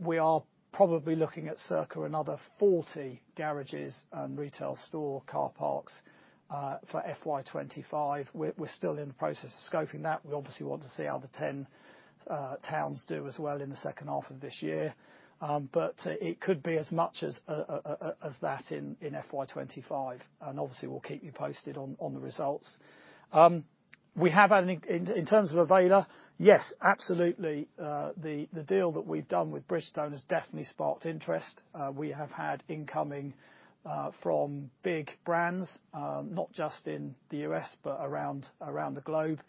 We are probably looking at circa another 40 garages and retail store car parks, for FY 2025. We're still in the process of scoping that. We obviously want to see how the 10 towns do as well in the second half of this year. But it could be as much as that in FY 2025, and obviously, we'll keep you posted on the results. We have an in terms of Avayler, yes, absolutely, the deal that we've done with Bridgestone has definitely sparked interest. We have had incoming from big brands, not just in the U.S., but around the globe.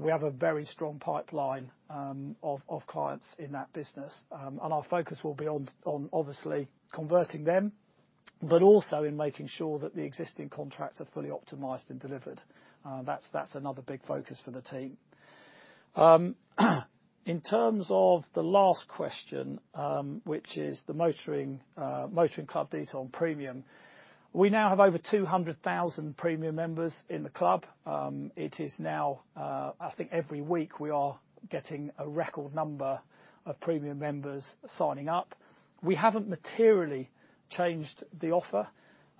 We have a very strong pipeline of clients in that business. And our focus will be on obviously converting them, but also in making sure that the existing contracts are fully optimized and delivered. That's another big focus for the team. In terms of the last question, which is the motoring Motoring Club detail on premium, we now have over 200,000 premium members in the club. It is now, I think every week, we are getting a record number of premium members signing up. We haven't materially changed the offer.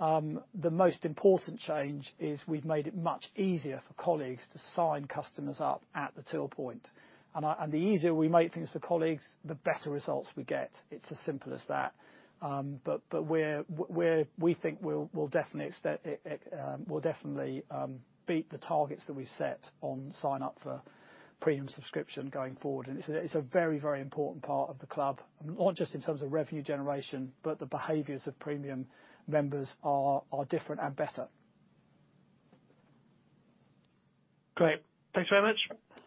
The most important change is we've made it much easier for colleagues to sign customers up at the till point, and the easier we make things for colleagues, the better results we get. It's as simple as that. But we think we'll definitely extend it. We'll definitely beat the targets that we set on sign up for premium subscription going forward. It's a very, very important part of the club, not just in terms of revenue generation, but the behaviors of premium members are different and better. Great. Thanks very much.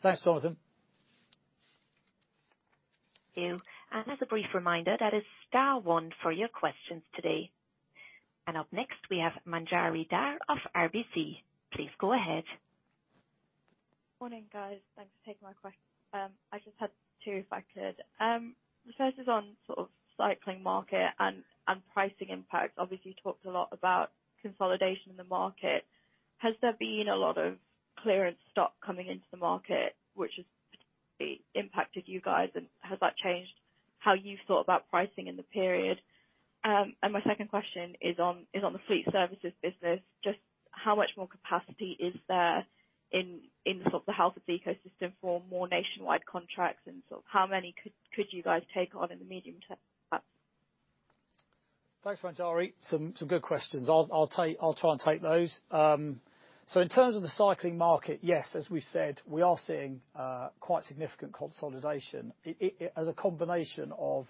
Thanks, Jonathan. Thank you. And as a brief reminder, that is star one for your questions today. And up next, we have Manjari Dhar of RBC. Please go ahead. Morning, guys. Thanks for taking my question. I just had two, if I could. The first is on sort of cycling market and pricing impact. Obviously, you talked a lot about consolidation in the market. Has there been a lot of clearance stock coming into the market, which has particularly impacted you guys, and has that changed how you thought about pricing in the period? And my second question is on the fleet services business. Just how much more capacity is there in the sort of the Halfords ecosystem for more nationwide contracts, and sort of how many could you guys take on in the medium term? Thanks, Manjari. Some good questions. I'll try and take those. So in terms of the cycling market, yes, as we've said, we are seeing quite significant consolidation. It, as a combination of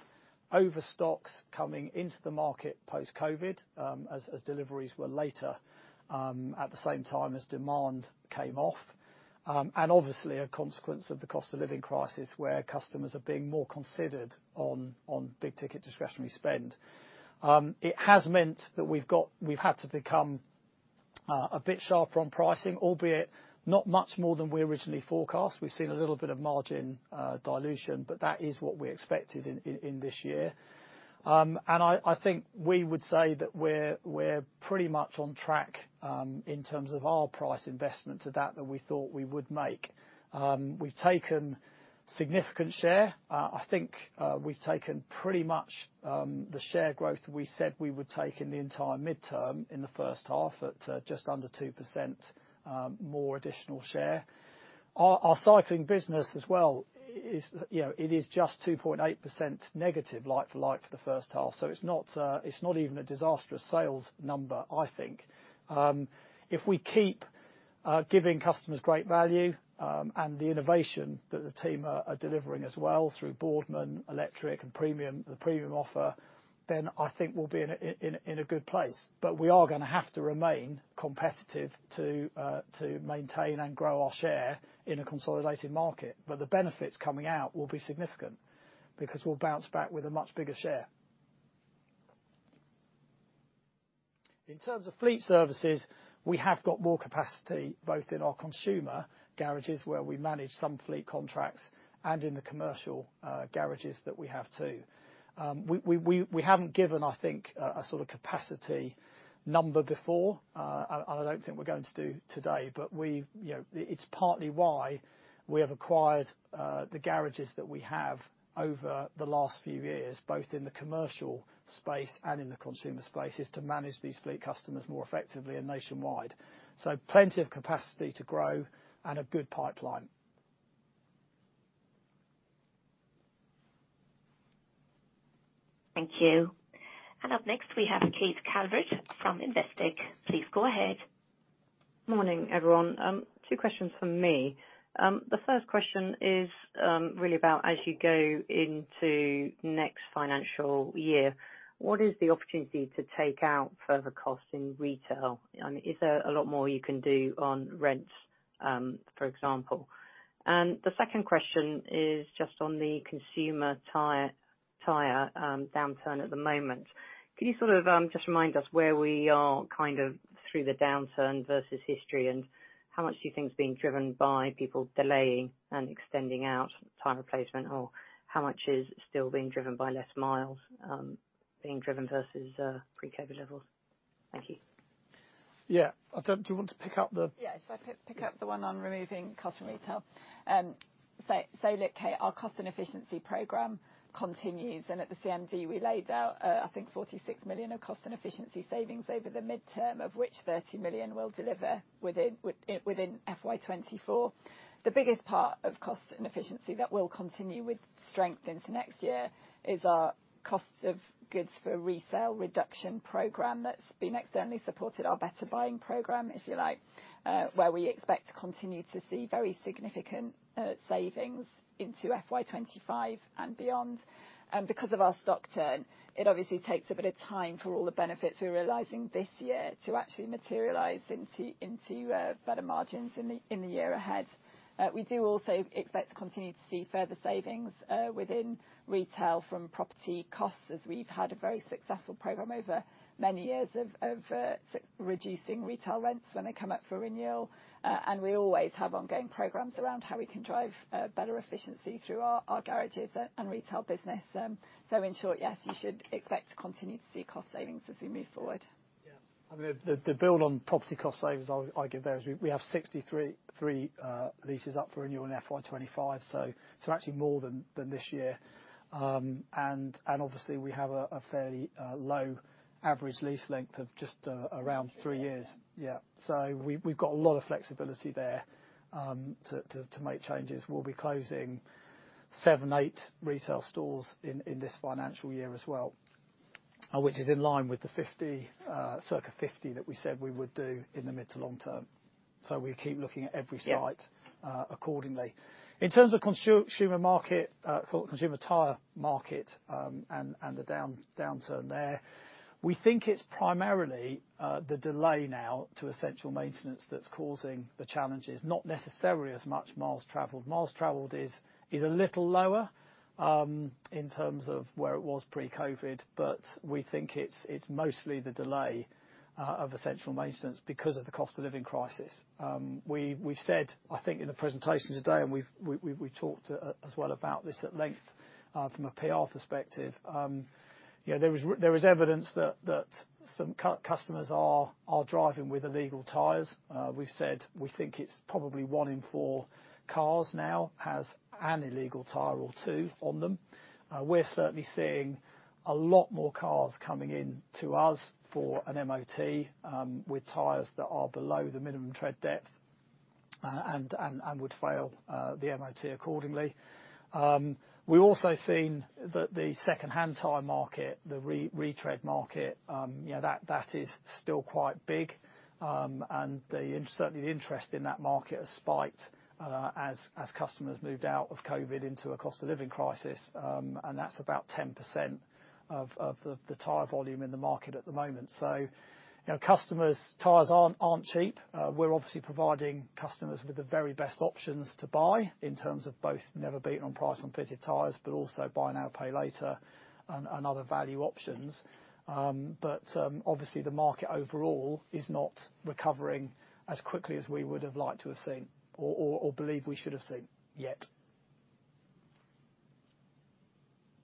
overstocks coming into the market post-COVID, as deliveries were later, at the same time as demand came off, and obviously, a consequence of the cost of living crisis, where customers are being more considered on big-ticket discretionary spend. It has meant that we've had to become a bit sharper on pricing, albeit not much more than we originally forecast. We've seen a little bit of margin dilution, but that is what we expected in this year. I think we would say that we're pretty much on track in terms of our price investment to that we thought we would make. We've taken significant share. I think we've taken pretty much the share growth that we said we would take in the entyre midterm, in the first half, at just under 2% more additional share. Our cycling business as well is, you know, it is just -2.8% like for like for the first half, so it's not even a disastrous sales number, I think. If we keep giving customers great value and the innovation that the team are delivering as well through Boardman, electric, and premium, the premium offer, then I think we'll be in a good place. But we are gonna have to remain competitive to, to maintain and grow our share in a consolidated market. But the benefits coming out will be significant, because we'll bounce back with a much bigger share. In terms of fleet services, we have got more capacity, both in our consumer garages, where we manage some fleet contracts, and in the commercial, garages that we have, too. We haven't given, I think, a sort of capacity number before, and I don't think we're going to do today, but we've... You know, it's partly why we have acquired, the garages that we have over the last few years, both in the commercial space and in the consumer space, is to manage these fleet customers more effectively and nationwide. So plenty of capacity to grow and a good pipeline. Thank you. Up next, we have Kate Calvert from Investec. Please go ahead. Morning, everyone. Two questions from me. The first question is really about as you go into next financial year, what is the opportunity to take out further costs in retail? And is there a lot more you can do on rents, for example? And the second question is just on the consumer tyre downturn at the moment. Can you sort of just remind us where we are, kind of, through the downturn versus history? And how much do you think is being driven by people delaying and extending out tyre replacement, or how much is still being driven by less miles being driven versus pre-COVID levels? Thank you. Yeah. I'll turn- Do you want to pick up the? Yes, should I pick up the one on removing cost and retail? So look, Kate, our cost and efficiency program continues, and at the CMD, we laid out, I think 46 million of cost and efficiency savings over the midterm, of which 30 million will deliver within FY 2024. The biggest part of cost and efficiency that will continue with strength into next year is our cost of goods for resale reduction program that's been externally supported, our Better Buying program, if you like, where we expect to continue to see very significant savings into FY 2025 and beyond. Because of our stock turn, it obviously takes a bit of time for all the benefits we're realizing this year to actually materialize into better margins in the year ahead. We do also expect to continue to see further savings within retail from property costs, as we've had a very successful program over many years of reducing retail rents when they come up for renewal. We always have ongoing programs around how we can drive better efficiency through our garages and retail business. In short, yes, you should expect to continue to see cost savings as we move forward. Yeah. I mean, the build on property cost savings, I'll give those. We have 63 leases up for renewal in FY 2025, so actually more than this year. And obviously, we have a fairly low average lease length of just around three years. Yeah. So we've got a lot of flexibility there to make changes. We'll be closing seven to eight retail stores in this financial year as well, which is in line with the 50, circa 50 that we said we would do in the mid to long term. So we keep looking at every site. Yeah. Accordingly. In terms of consumer market, consumer tyre market, and the downturn there, we think it's primarily the delay now to essential maintenance that's causing the challenges, not necessarily as much miles traveled. Miles traveled is a little lower in terms of where it was pre-COVID, but we think it's mostly the delay of essential maintenance because of the cost of living crisis. We've said, I think in the presentation today, and we've talked as well about this at length from a PR perspective, you know, there is evidence that some customers are driving with illegal tyres. We've said we think it's probably one in four cars now has an illegal tyre or two on them. We're certainly seeing a lot more cars coming in to us for an MOT, with tyres that are below the minimum tread depth, and would fail the MOT accordingly. We've also seen that the secondhand tyre market, the retread market, you know, that is still quite big. And certainly the interest in that market has spiked, as customers moved out of COVID into a cost of living crisis. And that's about 10% of the tyre volume in the market at the moment. So you know, customers, tyres aren't cheap. We're obviously providing customers with the very best options to buy in terms of both Never Beaten on Price and fitted tyres, but also buy now, pay later and other value options. But obviously, the market overall is not recovering as quickly as we would have liked to have seen or believe we should have seen yet.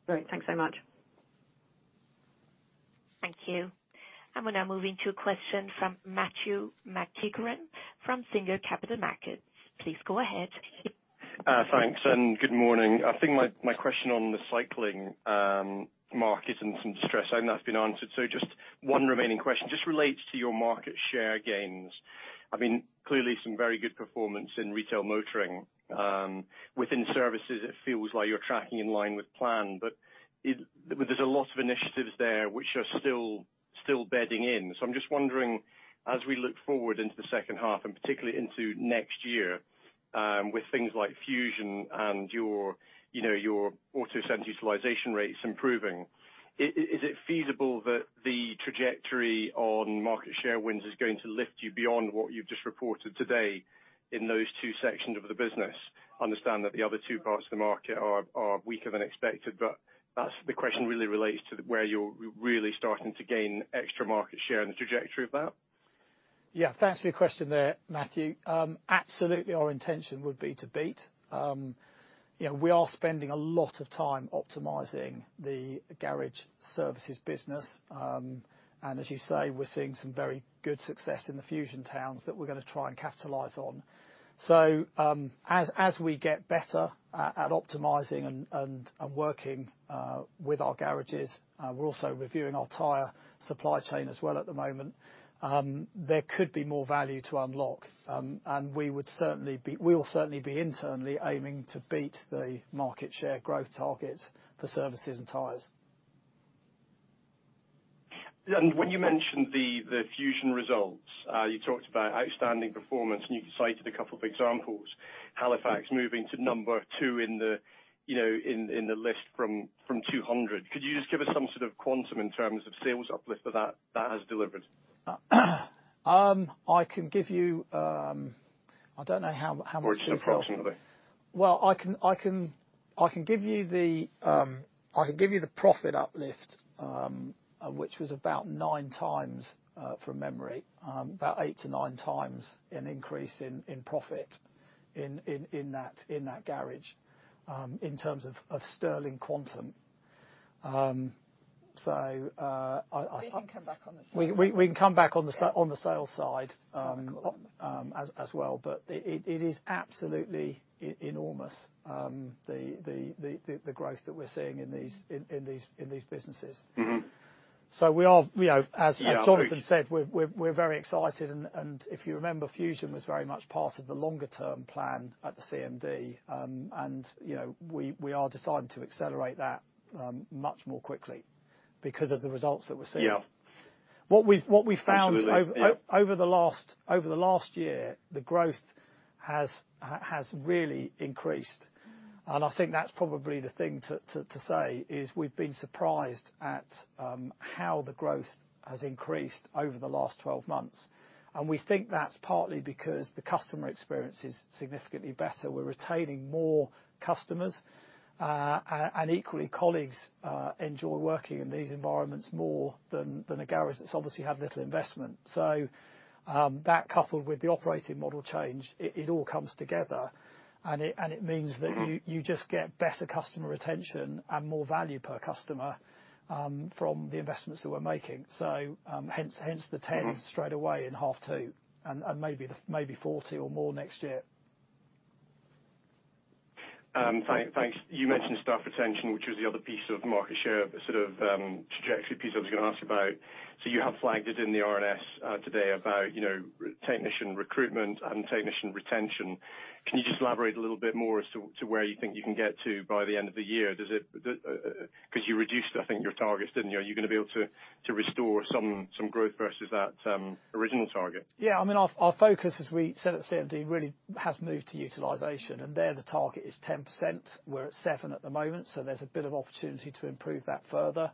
Great. Thanks so much. Thank you. We're now moving to a question from Matthew McEachran from Stifel. Please go ahead. Thanks, and good morning. I think my question on the cycling market and some stress on that's been answered, so just one remaining question, just relates to your market share gains. I mean, clearly some very good performance in retail motoring. Within services, it feels like you're tracking in line with plan, but it... There's a lot of initiatives there which are still bedding in. So I'm just wondering, as we look forward into the second half, and particularly into next year, with things like Fusion and your, you know, your Autocentre utilization rates improving, is it feasible that the trajectory on market share wins is going to lift you beyond what you've just reported today in those two sections of the business? I understand that the other two parts of the market are weaker than expected, but that's the question really relates to where you're really starting to gain extra market share and the trajectory of that. Yeah, thanks for your question there, Matthew. Absolutely, our intention would be to beat, you know, we are spending a lot of time optimizing the garage services business. And as you say, we're seeing some very good success in the Fusion towns that we're going to try and capitalize on. So, as we get better at optimizing and working with our garages, we're also reviewing our tyre supply chain as well at the moment, there could be more value to unlock. And we will certainly be internally aiming to beat the market share growth targets for services and tyres. When you mentioned the Fusion results, you talked about outstanding performance, and you've cited a couple of examples. Halifax moving to number two in the, you know, in the list from 200. Can you just give us some sort of quantum in terms of sales uplift that has delivered? I can give you, I don't know how much to tell. Or just approximately. Well, I can give you the profit uplift, which was about nine times, from memory, about eight times-nine times an increase in that garage, in terms of sterling quantum. So, I. We can come back on the sales. We can come back on the sa. Yeah. On the sales side, as well. But it is absolutely enormous, the growth that we're seeing in these businesses. Mm-hmm. So we are, you know. Yeah. As Jonathan said, we're very excited, and if you remember, Fusion was very much part of the longer-term plan at the CMD. You know, we are deciding to accelerate that much more quickly because of the results that we're seeing. Yeah. What we've found. Absolutely, yeah. Over the last year, the growth has really increased, and I think that's probably the thing to say is we've been surprised at how the growth has increased over the last 12 months. And we think that's partly because the customer experience is significantly better. We're retaining more customers, and equally, colleagues enjoy working in these environments more than a garage that's obviously had little investment. So, that coupled with the operating model change, it all comes together, and it means that. Mm-hmm. You, you just get better customer retention and more value per customer, from the investments that we're making. So, hence, hence the 10. Mm-hmm. Straightaway in half two, and maybe 40 or more next year. Thanks. You mentioned staff retention, which was the other piece of market share, sort of, trajectory piece I was going to ask about. So you have flagged it in the RNS today about, you know, technician recruitment and technician retention. Can you just elaborate a little bit more as to where you think you can get to by the end of the year? Does it... 'Cause you reduced, I think, your targets, didn't you? Are you gonna be able to restore some growth versus that original target? Yeah. I mean, our focus, as we said at CMD, really has moved to utilization, and there the target is 10%. We're at seven at the moment, so there's a bit of opportunity to improve that further.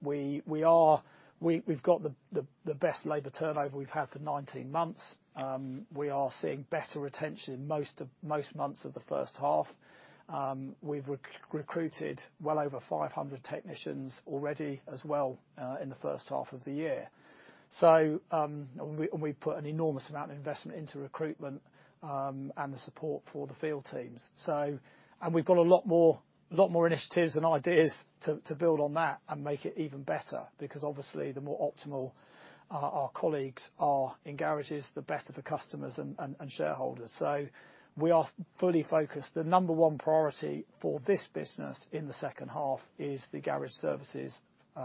We are - we've got the best labor turnover we've had for 19 months. We are seeing better retention most months of the first half. We've recruited well over 500 technicians already as well, in the first half of the year. So, and we've put an enormous amount of investment into recruitment, and the support for the field teams. So, we've got a lot more, a lot more initiatives and ideas to build on that and make it even better, because obviously, the more optimal our colleagues are in garages, the better for customers and shareholders. So we are fully focused. The number one priority for this business in the second half is the garage services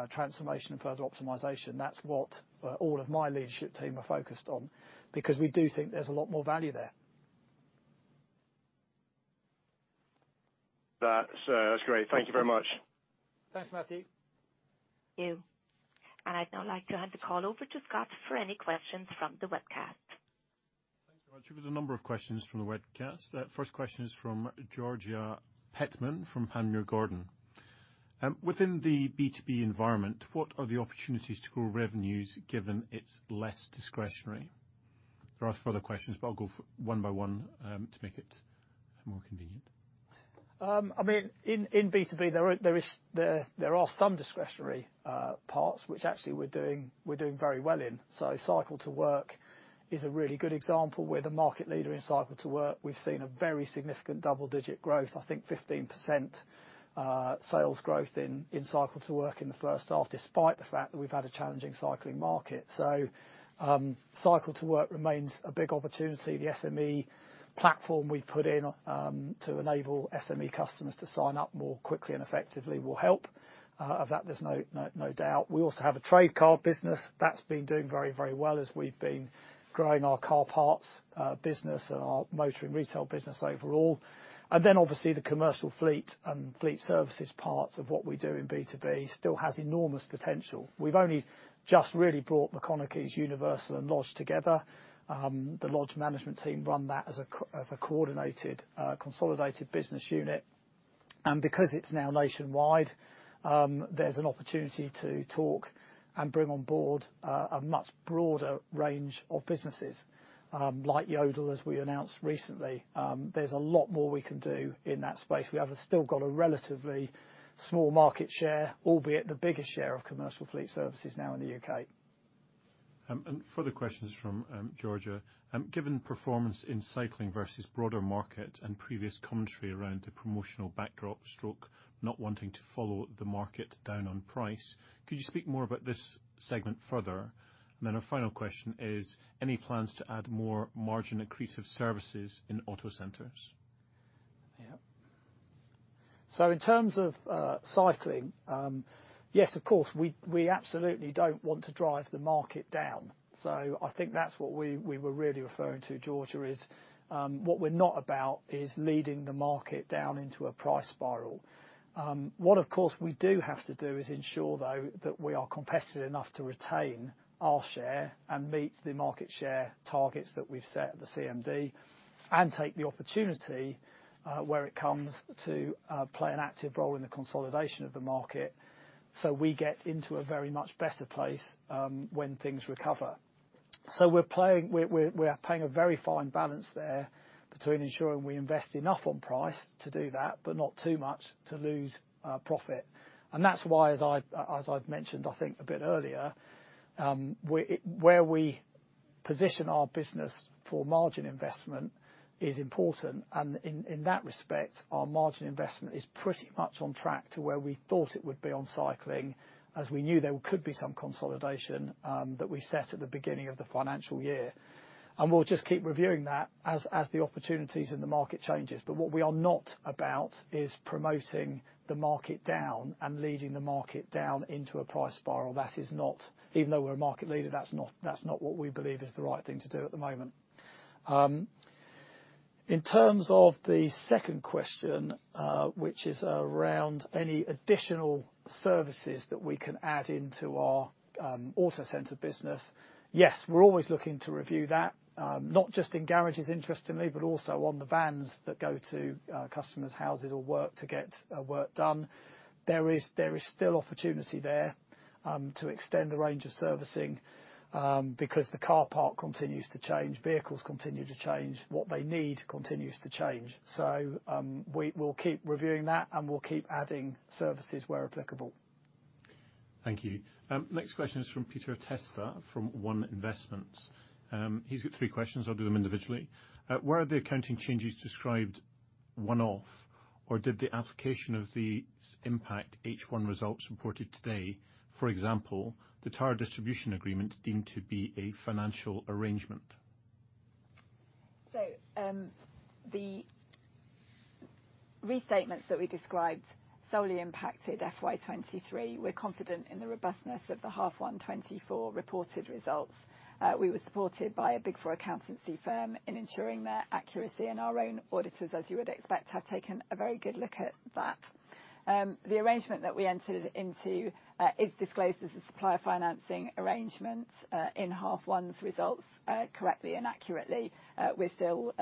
transformation and further optimization. That's what all of my leadership team are focused on, because we do think there's a lot more value there. That's, that's great. Okay. Thank you very much. Thanks, Matthew. I'd now like to hand the call over to Scott for any questions from the webcast. Thanks very much. There was a number of questions from the webcast. First question is from Georgia Sheringham, from Panmure Gordon. Within the B2B environment, what are the opportunities to grow revenues, given it's less discretionary? There are further questions, but I'll go one by one, to make it more convenient. I mean, in B2B, there are some discretionary parts which actually we're doing very well in. So Cycle to Work is a really good example. We're the market leader in Cycle to Work. We've seen a very significant double-digit growth, I think 15%, sales growth in Cycle to Work in the first half, despite the fact that we've had a challenging cycling market. So, Cycle to Work remains a big opportunity. The SME platform we've put in to enable SME customers to sign up more quickly and effectively will help. Of that, there's no doubt. We also have a trade car business. That's been doing very well as we've been growing our car parts business and our motoring retail business overall. Then obviously, the commercial fleet and fleet services parts of what we do in B2B still has enormous potential. We've only just really brought McConechy's, Universal, and Lodge together. The Lodge management team run that as a coordinated, consolidated business unit. And because it's now nationwide, there's an opportunity to talk and bring on board a much broader range of businesses, like Yodel, as we announced recently. There's a lot more we can do in that space. We have still got a relatively small market share, albeit the biggest share of commercial fleet services now in the UK Further questions from Georgia. Given performance in cycling versus broader market and previous commentary around the promotional backdrop, stroke, not wanting to follow the market down on price, could you speak more about this segment further? Then our final question is, any plans to add more margin-accretive services in Autocentres? Yeah. So in terms of cycling, yes, of course, we absolutely don't want to drive the market down. So I think that's what we were really referring to, Georgia, is what we're not about is leading the market down into a price spiral. What of course we do have to do is ensure though that we are competitive enough to retain our share and meet the market share targets that we've set at the CMD, and take the opportunity where it comes to play an active role in the consolidation of the market, so we get into a very much better place when things recover. So we're playing a very fine balance there between ensuring we invest enough on price to do that, but not too much to lose profit. That's why, as I've mentioned, I think a bit earlier, where we position our business for margin investment is important, and in that respect, our margin investment is pretty much on track to where we thought it would be on cycling, as we knew there could be some consolidation that we set at the beginning of the financial year. And we'll just keep reviewing that as the opportunities in the market changes. But what we are not about is promoting the market down and leading the market down into a price spiral. That is not, even though we're a market leader, that's not what we believe is the right thing to do at the moment. In terms of the second question, which is around any additional services that we can add into our Autocentre business, yes, we're always looking to review that, not just in garages, interestingly, but also on the vans that go to customers' houses or work to get work done. There is, there is still opportunity there, to extend the range of servicing, because the car park continues to change, vehicles continue to change. What they need continues to change. So, we'll keep reviewing that, and we'll keep adding services where applicable. Thank you. Next question is from Peter Testa, from One Investments. He's got three questions. I'll do them individually. Were the accounting changes described one-off, or did the application of these impact H1 results reported today, for example, the tyre distribution agreement deemed to be a financial arrangement? So, the restatements that we described solely impacted FY 2023. We're confident in the robustness of the H1 2024 reported results. We were supported by a Big Four accountancy firm in ensuring their accuracy, and our own auditors, as you would expect, have taken a very good look at that. The arrangement that we entered into is disclosed as a supplier financing arrangement in H1's results correctly and accurately. We're still,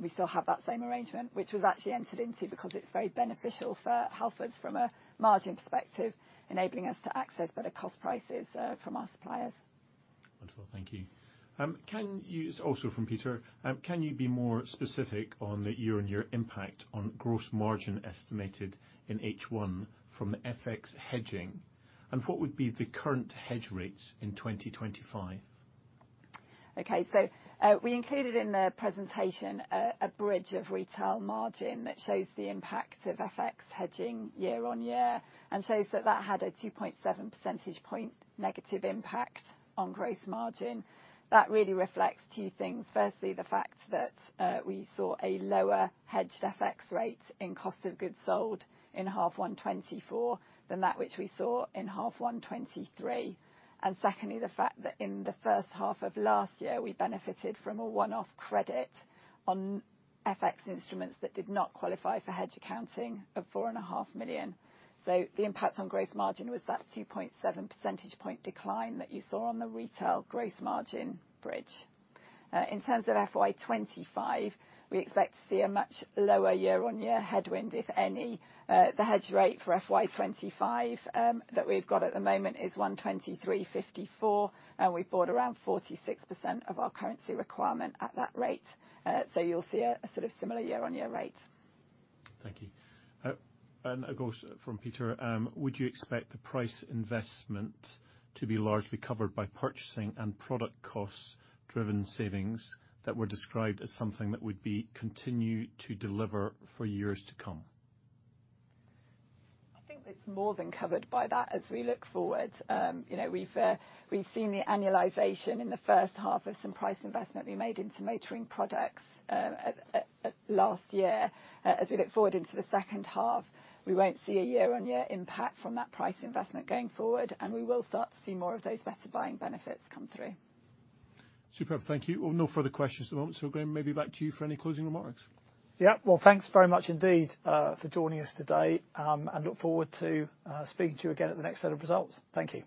we still have that same arrangement, which was actually entered into because it's very beneficial for Halfords from a margin perspective, enabling us to access better cost prices from our suppliers. Wonderful. Thank you. It's also from Peter. Can you be more specific on the year-on-year impact on gross margin estimated in H1 from FX hedging, and what would be the current hedge rates in 2025? Okay, so, we included in the presentation a bridge of retail margin that shows the impact of FX hedging year-on-year and shows that that had a 2.7 percentage point negative impact on gross margin. That really reflects two things. Firstly, the fact that we saw a lower hedged FX rate in cost of goods sold in half one 2024 than that which we saw in half one 2023. And secondly, the fact that in the first half of last year, we benefited from a one-off credit on FX instruments that did not qualify for hedge accounting of 4.5 million. So the impact on gross margin was that 2.7 percentage point decline that you saw on the retail gross margin bridge. In terms of FY 2025, we expect to see a much lower year-on-year headwind, if any. The hedge rate for FY 2025 that we've got at the moment is 1.2354, and we bought around 46% of our currency requirement at that rate. So you'll see a sort of similar year-on-year rate. Thank you. Of course, from Peter, would you expect the price investment to be largely covered by purchasing and product costs, driven savings that were described as something that would be continue to deliver for years to come? I think it's more than covered by that as we look forward. You know, we've seen the annualization in the first half of some price investment we made into motoring products at last year. As we look forward into the second half, we won't see a year-on-year impact from that price investment going forward, and we will start to see more of those better buying benefits come through. Superb. Thank you. Well, no further questions at the moment, so Graham, maybe back to you for any closing remarks. Yeah. Well, thanks very much indeed for joining us today, and look forward to speaking to you again at the next set of results. Thank you.